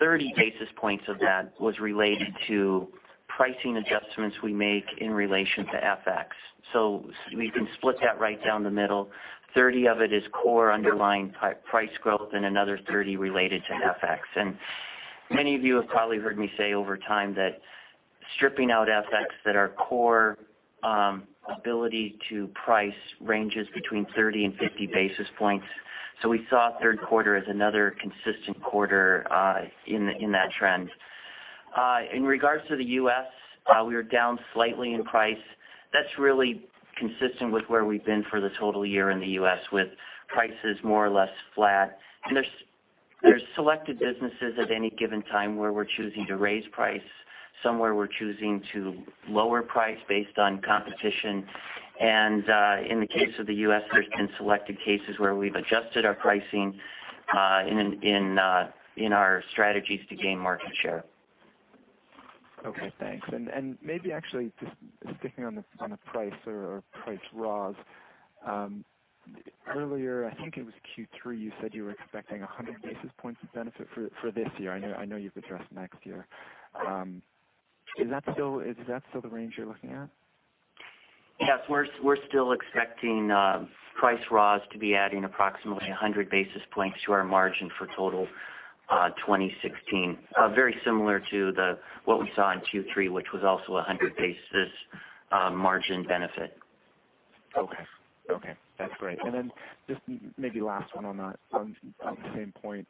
D: 30 basis points of that was related to pricing adjustments we make in relation to FX. We can split that right down the middle. 30 of it is core underlying price growth and another 30 related to FX. Many of you have probably heard me say over time that stripping out FX that our core ability to price ranges between 30 and 50 basis points. We saw third quarter as another consistent quarter in that trend. In regards to the U.S., we were down slightly in price. That's really consistent with where we've been for the total year in the U.S., with prices more or less flat. There's selected businesses at any given time where we're choosing to raise price. Some where we're choosing to lower price based on competition. In the case of the U.S., there's been selected cases where we've adjusted our pricing in our strategies to gain market share.
I: Okay, thanks. Maybe actually just sticking on the price or price raws. Earlier, I think it was Q3, you said you were expecting 100 basis points of benefit for this year. I know you've addressed next year. Is that still the range you're looking at?
D: Yes, we're still expecting price raws to be adding approximately 100 basis points to our margin for total 2016. Very similar to what we saw in Q3, which was also 100 basis margin benefit.
I: Okay. That's great. Just maybe last one on the same point.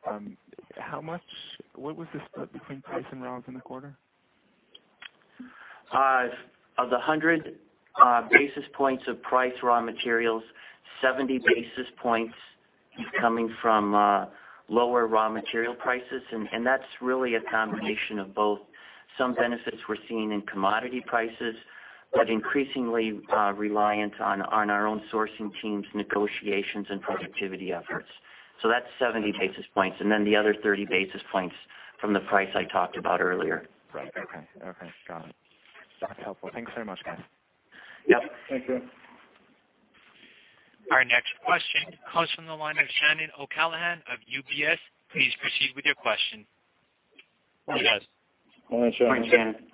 I: What was the split between price and raw in the quarter?
D: Of the 100 basis points of price raw materials, 70 basis points is coming from lower raw material prices, that's really a combination of both some benefits we're seeing in commodity prices, but increasingly reliant on our own sourcing teams, negotiations, and productivity efforts. That's 70 basis points, and then the other 30 basis points from the price I talked about earlier.
I: Right. Okay. Got it. That's helpful. Thank you so much, guys.
D: Yep.
C: Thank you.
A: Our next question comes from the line of Shannon O'Callaghan of UBS. Please proceed with your question.
J: Hey, guys.
C: Morning, Shannon.
D: Morning, Shannon. Morning,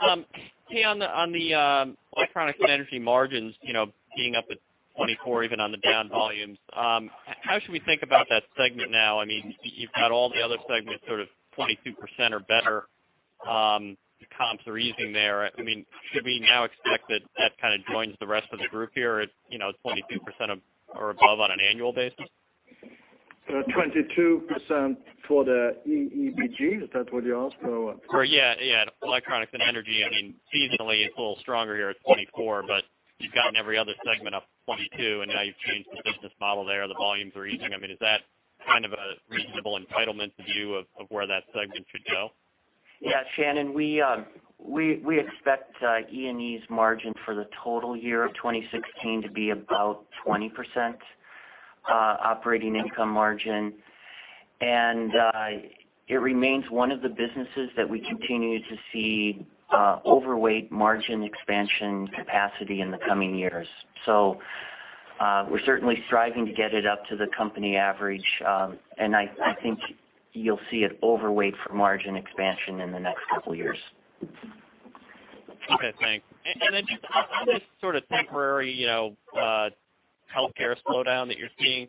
D: Shannon.
J: Hey, on the Electronics and Energy margins, being up at 24% even on the down volumes, how should we think about that segment now? You've got all the other segments sort of 22% or better. The comps are easing there. Should we now expect that that kind of joins the rest of the group here at 22% or above on an annual basis?
C: 22% for the EEBG. Is that what you asked?
J: Yeah. Electronics and Energy, seasonally, it's a little stronger here at 24, but you've gotten every other segment up to 22, and now you've changed the business model there. The volumes are easing. Is that a reasonable entitlement view of where that segment should go?
D: Yeah, Shannon, we expect E&E's margin for the total year of 2016 to be about 20% operating income margin. It remains one of the businesses that we continue to see overweight margin expansion capacity in the coming years. We're certainly striving to get it up to the company average. I think you'll see it overweight for margin expansion in the next couple of years.
J: Okay, thanks. Then just on this sort of temporary Healthcare slowdown that you're seeing,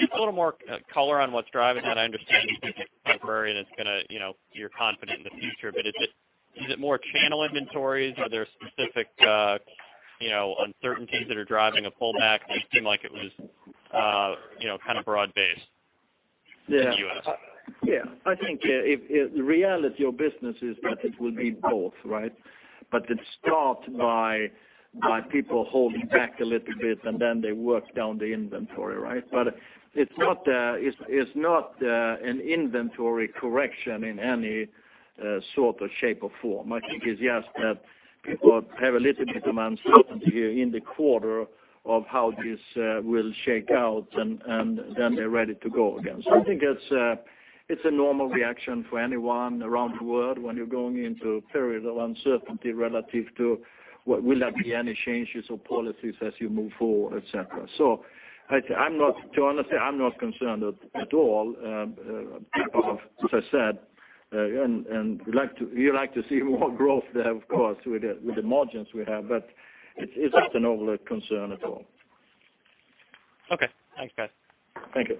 J: just a little more color on what's driving that. I understand it's temporary, and you're confident in the future, but is it more channel inventories? Are there specific uncertainties that are driving a pullback? Did it seem like it was kind of broad-based in the U.S.?
C: Yeah. I think the reality of business is that it will be both, right? It starts by people holding back a little bit, and then they work down the inventory, right? It's not an inventory correction in any sort of shape or form. I think it's just that people have a little bit of uncertainty here in the quarter of how this will shake out, and then they're ready to go again. I think it's a normal reaction for anyone around the world when you're going into a period of uncertainty relative to will there be any changes of policies as you move forward, et cetera. To be honest, I'm not concerned at all. As I said, we like to see more growth there, of course, with the margins we have, but it's not an overall concern at all.
J: Okay. Thanks, guys.
C: Thank you.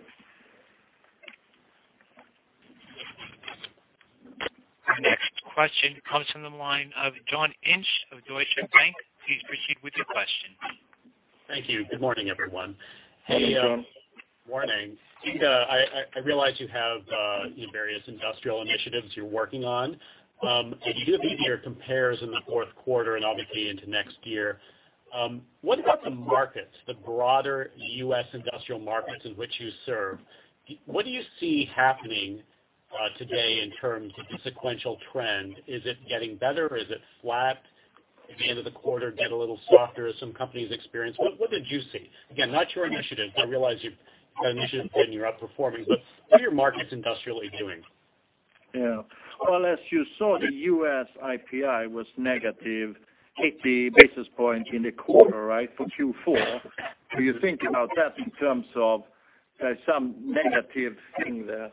A: Our next question comes from the line of John Inch of Deutsche Bank. Please proceed with your question.
K: Thank you. Good morning, everyone.
C: Hey, John.
K: Morning. Inge, I realize you have various industrial initiatives you're working on. You gave me your compares in the fourth quarter and obviously into next year. What about the markets, the broader U.S. industrial markets in which you serve? What do you see happening today in terms of the sequential trend? Is it getting better or is it flat? Did the end of the quarter get a little softer as some companies experienced? What did you see? Again, not your initiative. I realize you've got initiatives and you're outperforming, but how are your markets industrially doing?
C: Yeah. Well, as you saw, the U.S. IPI was negative 80 basis points in the quarter for Q4. You think about that in terms of some negative thing there.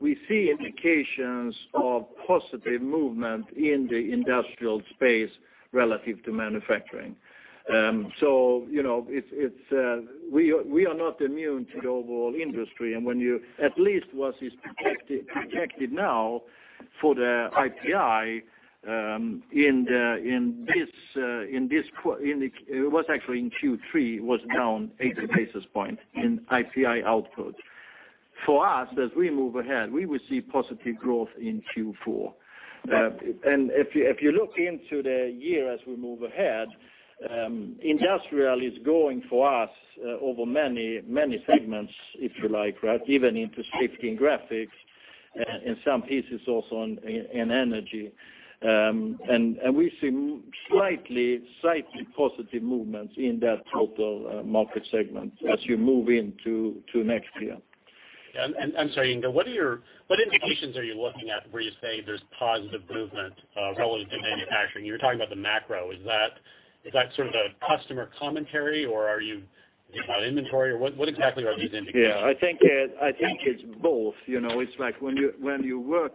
C: We see indications of positive movement in the industrial space relative to manufacturing. We are not immune to the overall industry. At least what is projected now for the IPI, it was actually in Q3, was down 80 basis points in IPI output. For us, as we move ahead, we will see positive growth in Q4. If you look into the year as we move ahead, industrial is growing for us over many segments, if you like. Even into Safety and Graphics, and some pieces also in Energy. We see slightly positive movements in that total market segment as you move into next year.
K: Yeah. I'm sorry, Inge, what indications are you looking at where you say there's positive movement relative to manufacturing? You were talking about the macro. Is that sort of a customer commentary, or are you talking about inventory, or what exactly are these indications?
C: Yeah, I think it's both. It's like when you work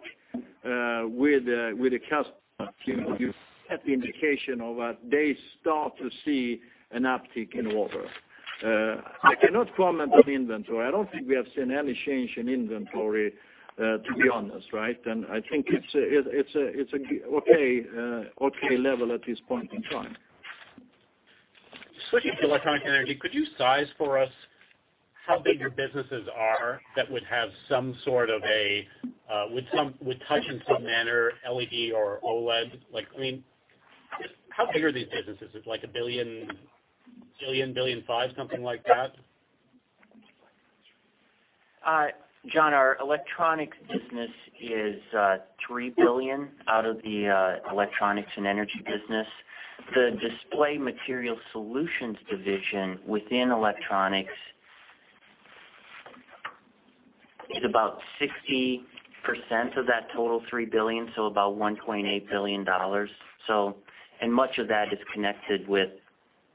C: with a customer, you have the indication of they start to see an uptick in order. I cannot comment on inventory. I don't think we have seen any change in inventory, to be honest. I think it's an okay level at this point in time.
K: Switching to Electronics and Energy, could you size for us how big your businesses are that would touch in some manner LED or OLED? How big are these businesses? Is it like $1 billion, $1.5 billion, something like that?
D: John, our electronics business is $3 billion out of the Electronics and Energy business. The Display Materials & Systems division within electronics is about 60% of that total $3 billion, so about $1.8 billion. Much of that is connected with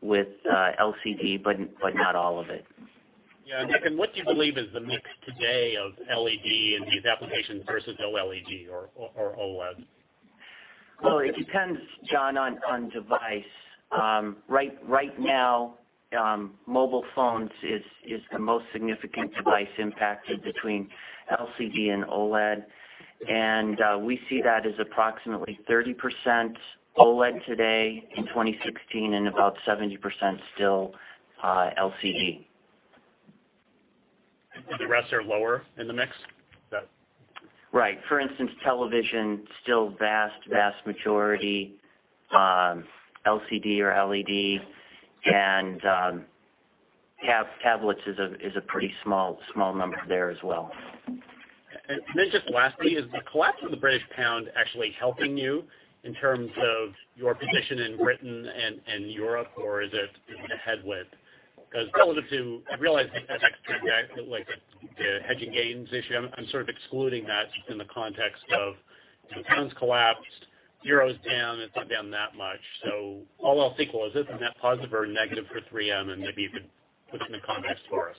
D: LCD, but not all of it.
K: Yeah. What do you believe is the mix today of LED in these applications versus OLED or O-L-E-D?
D: Well, it depends, John, on device. Right now, mobile phones is the most significant device impacted between LCD and OLED. We see that as approximately 30% OLED today in 2016 and about 70% still LCD.
K: The rest are lower in the mix?
D: Right. For instance, television, still vast majority LCD or LED, and tablets is a pretty small number there as well.
K: Just lastly, is the collapse of the British pound actually helping you in terms of your position in Britain and Europe, or is it a headwind? Relative to, I realize the FX, like the hedging gains issue, I'm sort of excluding that in the context of the pound's collapsed, euro's down, it's not down that much. All else equal, is this a net positive or a negative for 3M? Maybe you could put it into context for us.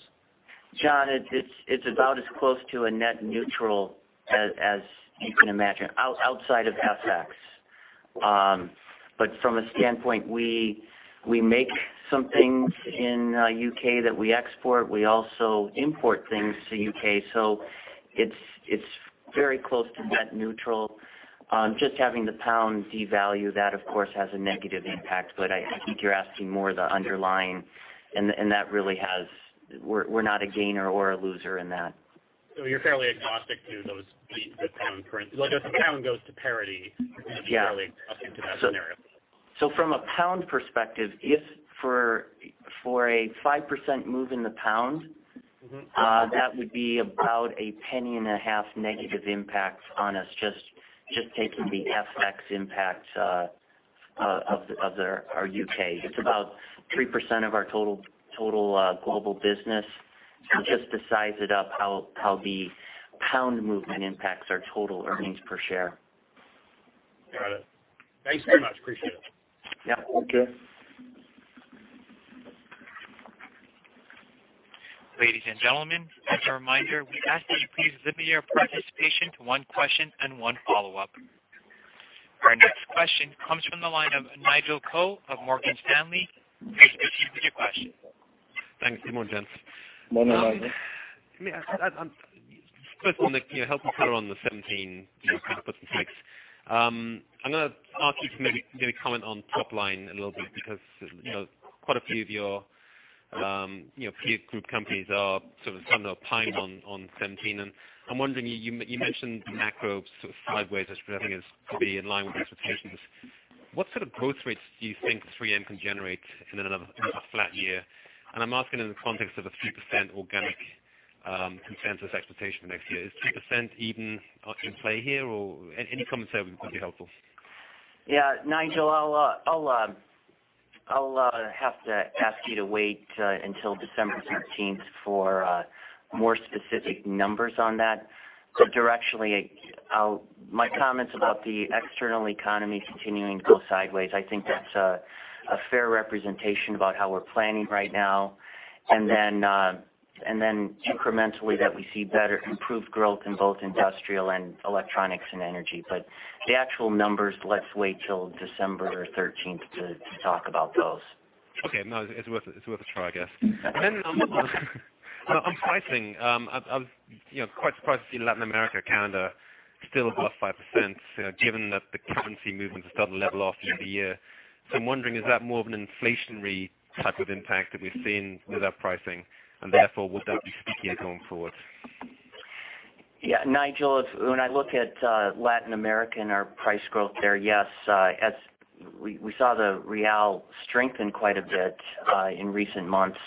D: John, it's about as close to a net neutral as you can imagine, outside of FX. From a standpoint, we make some things in U.K. that we export. We also import things to U.K., it's very close to net neutral. Just having the pound devalue, that of course has a negative impact. I think you're asking more the underlying, we're not a gainer or a loser in that.
K: You're fairly agnostic to those, the pound for instance. Like if the pound goes to parity-
D: Yeah
K: You're fairly agnostic to that scenario.
D: From a pound perspective, for a 5% move in the pound. That would be about a penny and a half negative impact on us, just taking the FX impact of our U.K. It's about 3% of our total global business. Just to size it up how the pound movement impacts our total earnings per share.
K: Got it. Thanks very much. Appreciate it.
D: Yeah.
C: Okay.
A: Ladies and gentlemen, as a reminder, we ask that you please limit your participation to one question and one follow-up. Our next question comes from the line of Nigel Coe of Morgan Stanley. Please go ahead with your question.
L: Thanks. Good morning, gents.
C: Morning, Nigel.
L: May I ask, first on the help you clear on the 2017 kind of puts and takes? I'm going to ask you to maybe comment on top line a little bit, because quite a few of your peer group companies are sort of on 2017. I'm wondering, you mentioned macro sort of sideways, which I think is probably in line with expectations. What sort of growth rates do you think 3M can generate in another flat year? I'm asking in the context of a 3% organic consensus expectation for next year. Is 3% even up in play here, or any comment there would be helpful.
D: Yeah. Nigel, I'll have to ask you to wait until December 13th for more specific numbers on that.
L: Sure.
D: Directionally, my comments about the external economy continuing to go sideways, I think that's a fair representation about how we're planning right now. Incrementally that we see better improved growth in both Industrial and Electronics and Energy. The actual numbers, let's wait till December 13th to talk about those.
L: Okay. No, it's worth a try, I guess. On pricing, I was quite surprised to see Latin America, Canada still above 5%, given that the currency movement has started to level off year-to-year. I'm wondering, is that more of an inflationary type of impact that we've seen with that pricing, and therefore, will that be stickier going forward?
D: Yeah. Nigel, when I look at Latin America and our price growth there, yes, we saw the real strengthen quite a bit in recent months,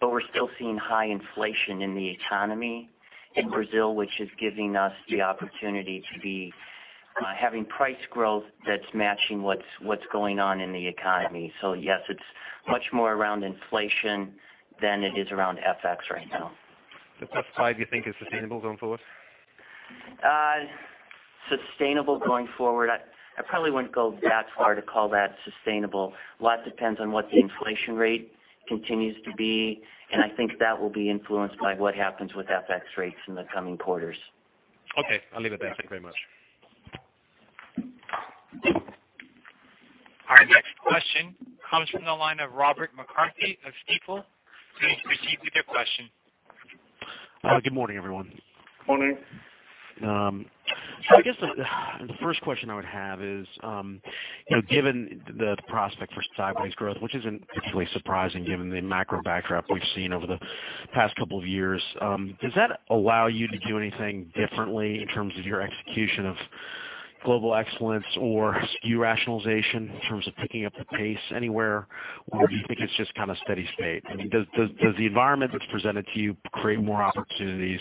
D: but we're still seeing high inflation in the economy in Brazil, which is giving us the opportunity to be having price growth that's matching what's going on in the economy. Yes, it's much more around inflation than it is around FX right now.
L: Plus 5 you think is sustainable going forward?
D: Sustainable going forward, I probably wouldn't go that far to call that sustainable. A lot depends on what the inflation rate continues to be, and I think that will be influenced by what happens with FX rates in the coming quarters.
L: Okay, I'll leave it there. Thank you very much.
A: Our next question comes from the line of Robert McCarthy of Stifel. Please proceed with your question.
M: Good morning, everyone.
C: Morning.
M: I guess the first question I would have is, given the prospect for sideways growth, which isn't particularly surprising given the macro backdrop we've seen over the past couple of years, does that allow you to do anything differently in terms of your execution of global excellence or SKU rationalization, in terms of picking up the pace anywhere? Do you think it's just kind of steady state? Does the environment that's presented to you create more opportunities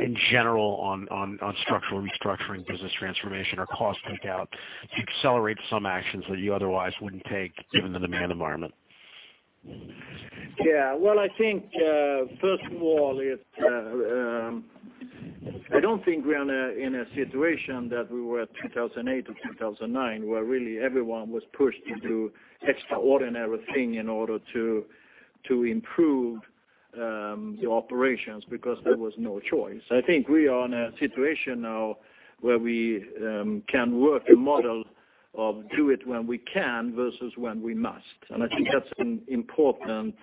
M: in general on structural restructuring, business transformation or cost take out to accelerate some actions that you otherwise wouldn't take given the demand environment?
C: I think, first of all, I don't think we are in a situation that we were 2008 or 2009, where really everyone was pushed into extraordinary thing in order to improve the operations because there was no choice. I think we are in a situation now where we can work a model of do it when we can versus when we must. I think that's an important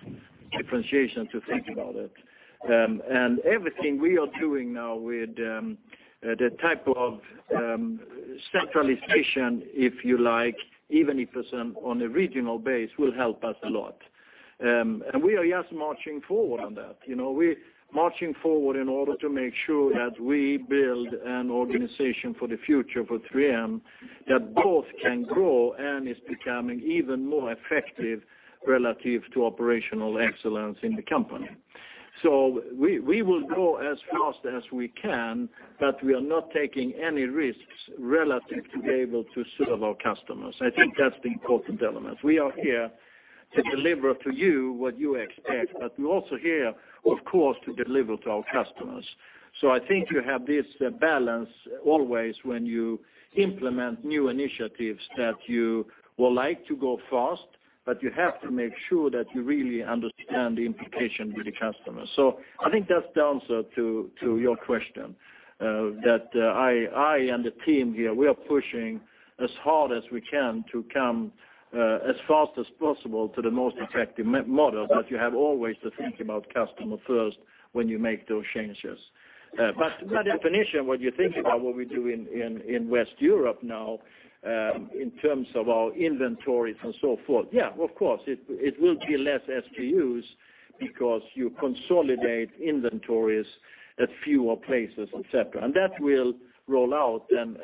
C: differentiation to think about it. Everything we are doing now with the type of centralization, if you like, even if it's on a regional base, will help us a lot. We are just marching forward on that. We're marching forward in order to make sure that we build an organization for the future for 3M, that both can grow and is becoming even more effective relative to operational excellence in the company. We will grow as fast as we can, but we are not taking any risks relative to be able to serve our customers. I think that's the important element. We are here to deliver to you what you expect, but we're also here, of course, to deliver to our customers. I think you have this balance always when you implement new initiatives that you would like to go fast, but you have to make sure that you really understand the implication with the customer. I think that's the answer to your question. That I and the team here, we are pushing as hard as we can to come as fast as possible to the most effective model. You have always to think about customer first when you make those changes. By definition, when you think about what we do in West Europe now, in terms of our inventories and so forth, yeah, of course, it will be less SKUs because you consolidate inventories at fewer places, et cetera. That will roll out, and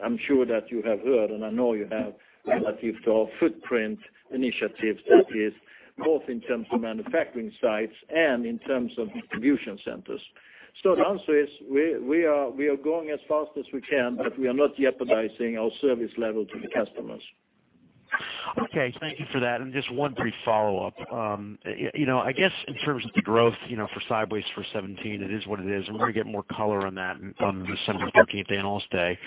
C: I'm sure that you have heard, and I know you have, relative to our footprint initiatives, that is both in terms of manufacturing sites and in terms of distribution centers. The answer is, we are going as fast as we can, but we are not jeopardizing our service level to the customers.
M: Okay. Thank you for that. Just one brief follow-up. I guess in terms of the growth for sideways for 2017, it is what it is. We are going to get more color on that on December 13th, the Analyst Day.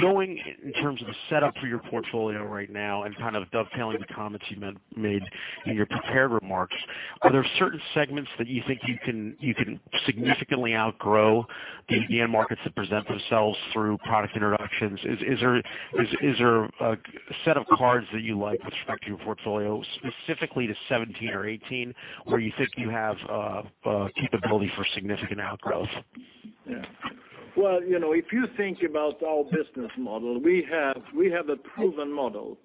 M: Going in terms of the setup for your portfolio right now and kind of dovetailing the comments you made in your prepared remarks, are there certain segments that you think you can significantly outgrow the end markets that present themselves through product introductions? Is there a set of cards that you like with respect to your portfolio, specifically to 2017 or 2018, where you think you have capability for significant outgrowths?
C: If you think about our business model, we have a proven model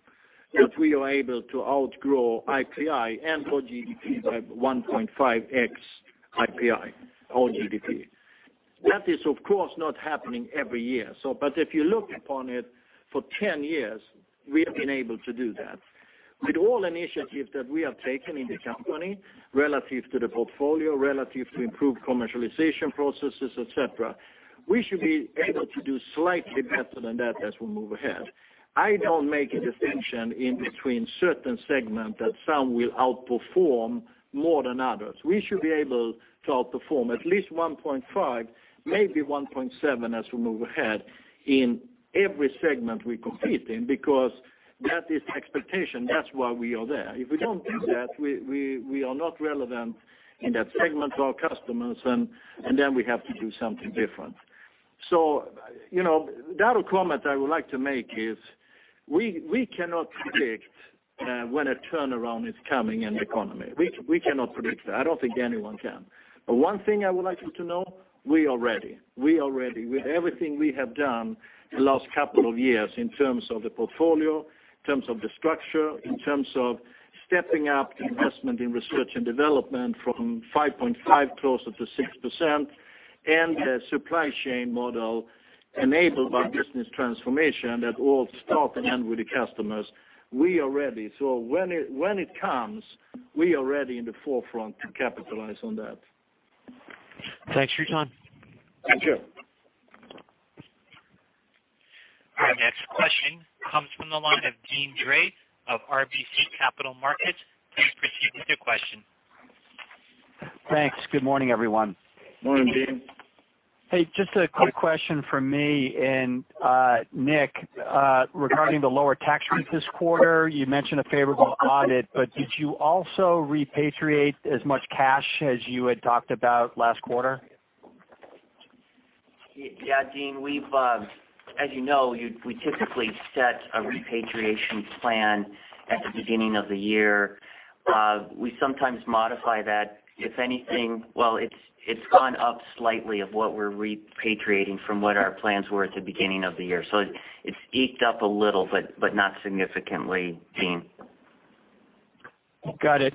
C: that we are able to outgrow IPI and for GDP by 1.5x IPI or GDP. That is, of course, not happening every year. If you look upon it for 10 years, we have been able to do that. With all initiatives that we have taken in the company relative to the portfolio, relative to improved commercialization processes, et cetera, we should be able to do slightly better than that as we move ahead. I do not make a distinction in between certain segment that some will outperform more than others. We should be able to outperform at least 1.5, maybe 1.7 as we move ahead in every segment we compete in, because that is the expectation. That is why we are there. If we do not do that, we are not relevant in that segment to our customers, and then we have to do something different. The other comment I would like to make is, we cannot predict when a turnaround is coming in the economy. We cannot predict that. I do not think anyone can. One thing I would like you to know, we are ready. We are ready. With everything we have done the last couple of years in terms of the portfolio, in terms of the structure, in terms of stepping up the investment in research and development from 5.5% closer to 6%, and the supply chain model enabled by business transformation that all start and end with the customers. We are ready. When it comes, we are ready in the forefront to capitalize on that.
M: Thanks for your time.
C: Thank you.
A: Our next question comes from the line of Deane Dray of RBC Capital Markets. Please proceed with your question.
N: Thanks. Good morning, everyone.
C: Morning, Deane.
N: Just a quick question from me and Nick, regarding the lower tax rate this quarter. You mentioned a favorable audit, did you also repatriate as much cash as you had talked about last quarter?
D: Yeah, Deane. As you know, we typically set a repatriation plan at the beginning of the year. We sometimes modify that. If anything, well, it's gone up slightly of what we're repatriating from what our plans were at the beginning of the year. It's eked up a little, but not significantly, Deane.
N: Got it.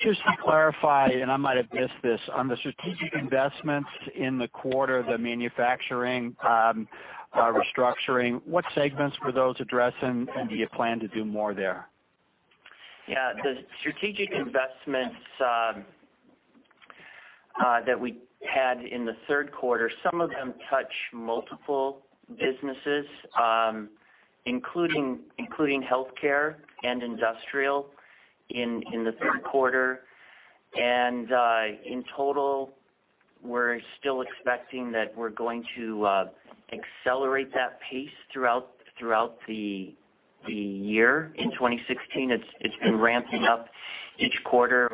N: Just to clarify, I might have missed this, on the strategic investments in the quarter, the manufacturing restructuring, what segments were those addressing, and do you plan to do more there?
D: Yeah. The strategic investments that we had in the third quarter, some of them touch multiple businesses, including Healthcare and Industrial in the third quarter. In total, we're still expecting that we're going to accelerate that pace throughout the year in 2016. It's been ramping up each quarter,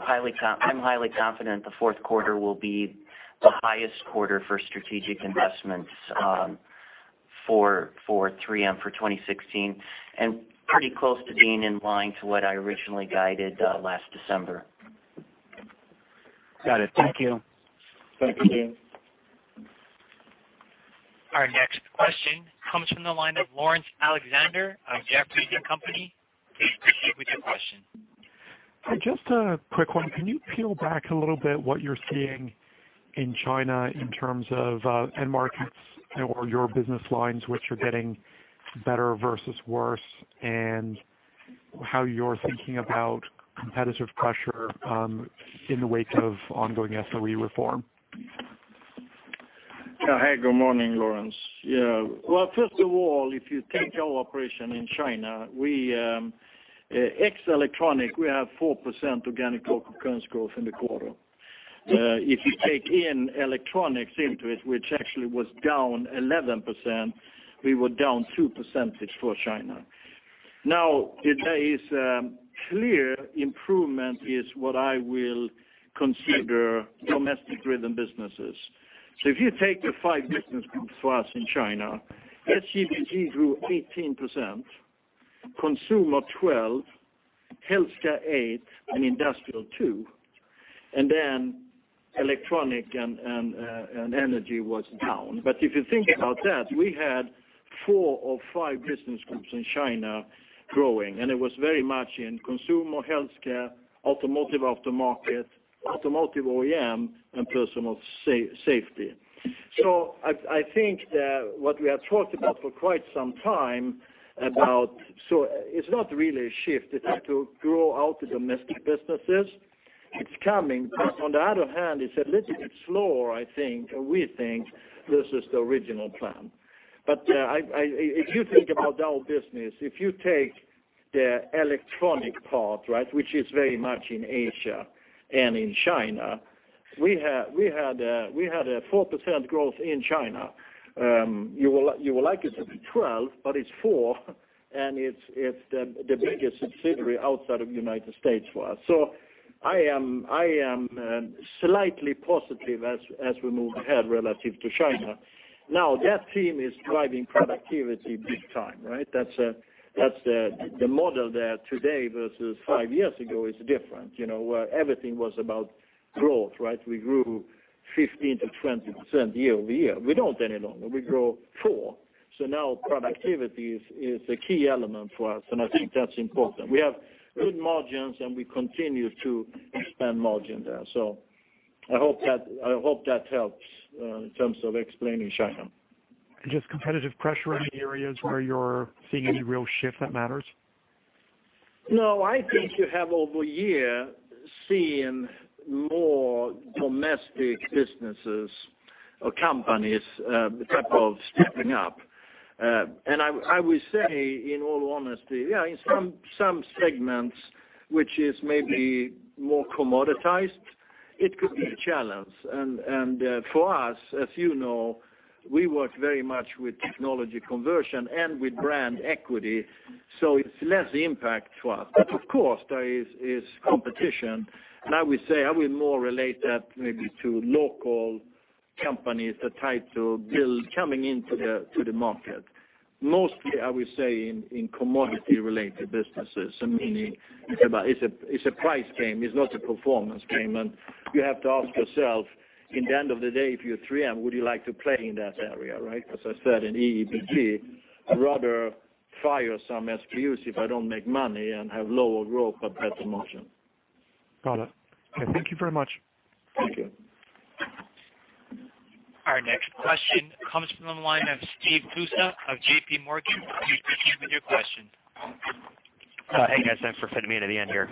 D: I'm highly confident the fourth quarter will be the highest quarter for strategic investments for 3M for 2016, and pretty close to being in line to what I originally guided last December.
N: Got it. Thank you.
C: Thank you.
A: Our next question comes from the line of Laurence Alexander of Jefferies & Company. Please proceed with your question.
O: Hi, just a quick one. Can you peel back a little bit what you're seeing in China in terms of end markets or your business lines which are getting better versus worse, and how you're thinking about competitive pressure in the wake of ongoing SOE reform?
C: Yeah. Hey, good morning, Laurence. Yeah. Well, first of all, if you take our operation in China, ex-electronic, we have 4% organic local currency growth in the quarter. If you take in electronics into it, which actually was down 11%, we were down 2 percentage for China. Now, there is clear improvement is what I will consider domestic-driven businesses. If you take the five business groups for us in China, S&G grew 18%, Consumer 12%, Healthcare 8%, and Industrial 2%, and then Electronics and Energy was down. If you think about that, we had four of five business groups in China growing, and it was very much in Consumer, Healthcare, Automotive Aftermarket, Automotive OEM, and Personal Safety. I think that what we have talked about for quite some time about, it's not really a shift. It's to grow out the domestic businesses. It's coming. On the other hand, it's a little bit slower, we think, versus the original plan. If you think about our business, if you take the electronic part, which is very much in Asia and in China, we had a 4% growth in China. You would like it to be 12, but it's four and it's the biggest subsidiary outside of U.S. for us. I am slightly positive as we move ahead relative to China. Now, that team is driving productivity big time. The model there today versus five years ago is different. Where everything was about growth. We grew 15%-20% year-over-year. We don't any longer. We grow four. Now productivity is a key element for us, and I think that's important. We have good margins, and we continue to expand margin there. I hope that helps in terms of explaining China.
O: Just competitive pressure in any areas where you're seeing any real shift that matters?
C: No, I think you have over a year seen more domestic businesses or companies type of stepping up. I would say, in all honesty, yeah, in some segments, which is maybe more commoditized, it could be a challenge. For us, as you know, we work very much with technology conversion and with brand equity, it's less impact to us. Of course, there is competition, I would say, I will more relate that maybe to local companies that try to build coming into the market. Mostly, I would say in commodity-related businesses, meaning it's a price game, it's not a performance game. You have to ask yourself, in the end of the day, if you're 3M, would you like to play in that area, right? As I said, in EEBG, I'd rather fire some SKUs if I don't make money and have lower growth but better margin.
O: Got it. Okay, thank you very much.
C: Thank you.
A: Our next question comes from the line of Steve Tusa of JPMorgan. Please proceed with your question.
P: Hey, guys. Thanks for fitting me in at the end here.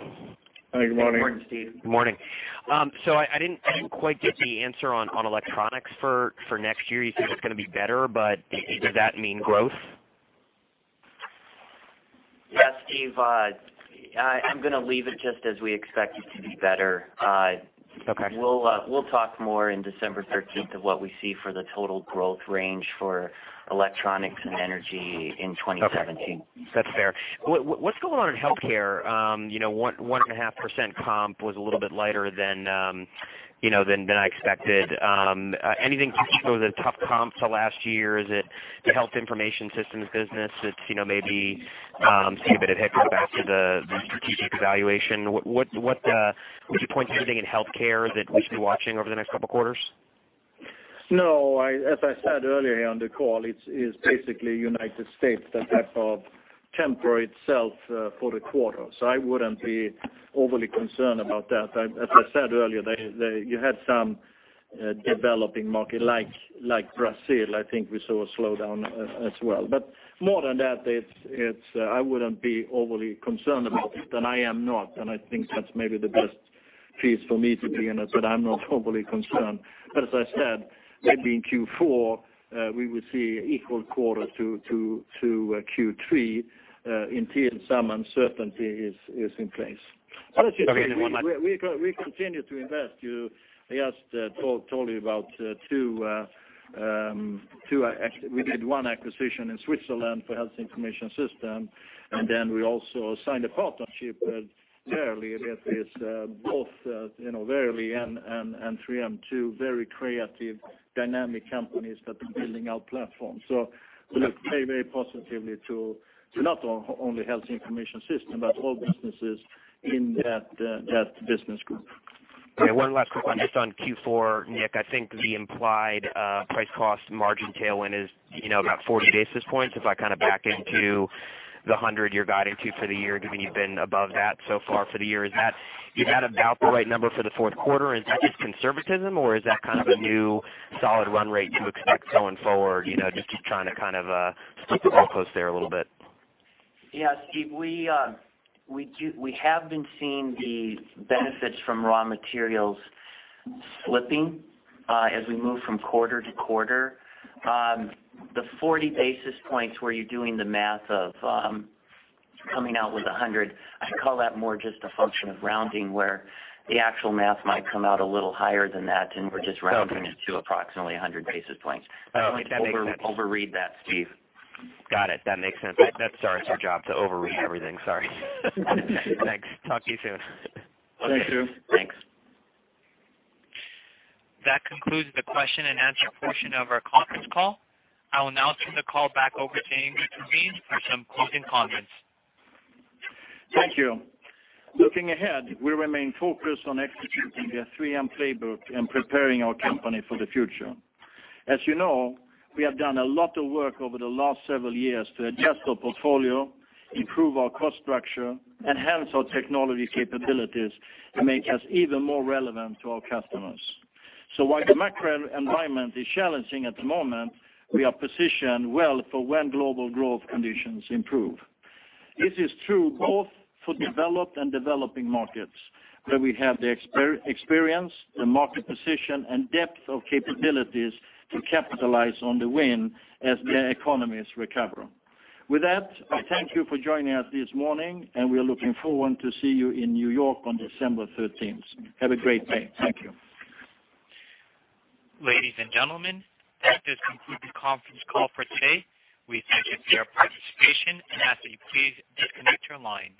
C: Hey, good morning.
D: Good morning, Steve.
P: Good morning. I didn't quite get the answer on electronics for next year. You said it's going to be better, but does that mean growth?
D: Yeah, Steve. I'm going to leave it just as we expect it to be better.
P: Okay.
D: We'll talk more in December 13th of what we see for the total growth range for Electronics and Energy in 2017.
P: Okay. That's fair. What's going on in Healthcare? 1.5% comp was a little bit lighter than I expected. Anything to do with the tough comps of last year? Is it the health information systems business that's maybe seeing a bit of hiccup after the strategic evaluation? Would you point to anything in Healthcare that we should be watching over the next couple of quarters?
C: No. As I said earlier on the call, it's basically U.S. that have a temporary itself for the quarter. I wouldn't be overly concerned about that. As I said earlier, you had some developing market like Brazil, I think we saw a slowdown as well. More than that, I wouldn't be overly concerned about it, and I am not, and I think that's maybe the best place for me to be in it, that I'm not overly concerned. As I said, maybe in Q4, we will see equal quarter to Q3 until some uncertainty is in place. We continue to invest. I just told you about We did one acquisition in Switzerland for health information system, and then we also signed a partnership with Verily. Both Verily and 3M, two very creative, dynamic companies that are building our platform. We look very positively to not only health information system, but all businesses in that business group.
P: Okay, one last quick one, just on Q4. Nick, I think the implied price cost margin tailwind is about 40 basis points. If I back into the 100 you're guiding to for the year, given you've been above that so far for the year, is that about the right number for the fourth quarter? Is that just conservatism or is that kind of a new solid run rate to expect going forward? Just keep trying to kind of split the hair close there a little bit.
D: Yeah, Steve, we have been seeing the benefits from raw materials flipping as we move from quarter to quarter. The 40 basis points where you're doing the math of coming out with 100, I call that more just a function of rounding where the actual math might come out a little higher than that, and we're just rounding it to approximately 100 basis points.
P: Oh, okay. Makes sense.
D: I don't like to overread that, Steve.
P: Got it. That makes sense. That's our job to overread everything. Sorry. Thanks. Talk to you soon.
C: Okay.
D: Thanks, Steve.
P: Thanks.
A: That concludes the question and answer portion of our conference call. I will now turn the call back over to Inge Thulin for some closing comments.
C: Thank you. Looking ahead, we remain focused on executing the 3M playbook and preparing our company for the future. As you know, we have done a lot of work over the last several years to adjust our portfolio, improve our cost structure, enhance our technology capabilities to make us even more relevant to our customers. While the macro environment is challenging at the moment, we are positioned well for when global growth conditions improve. This is true both for developed and developing markets, where we have the experience, the market position and depth of capabilities to capitalize on the win as the economies recover. With that, I thank you for joining us this morning, and we are looking forward to see you in New York on December 13th. Have a great day. Thank you.
A: Ladies and gentlemen, that does conclude the conference call for today. We thank you for your participation and ask that you please disconnect your line.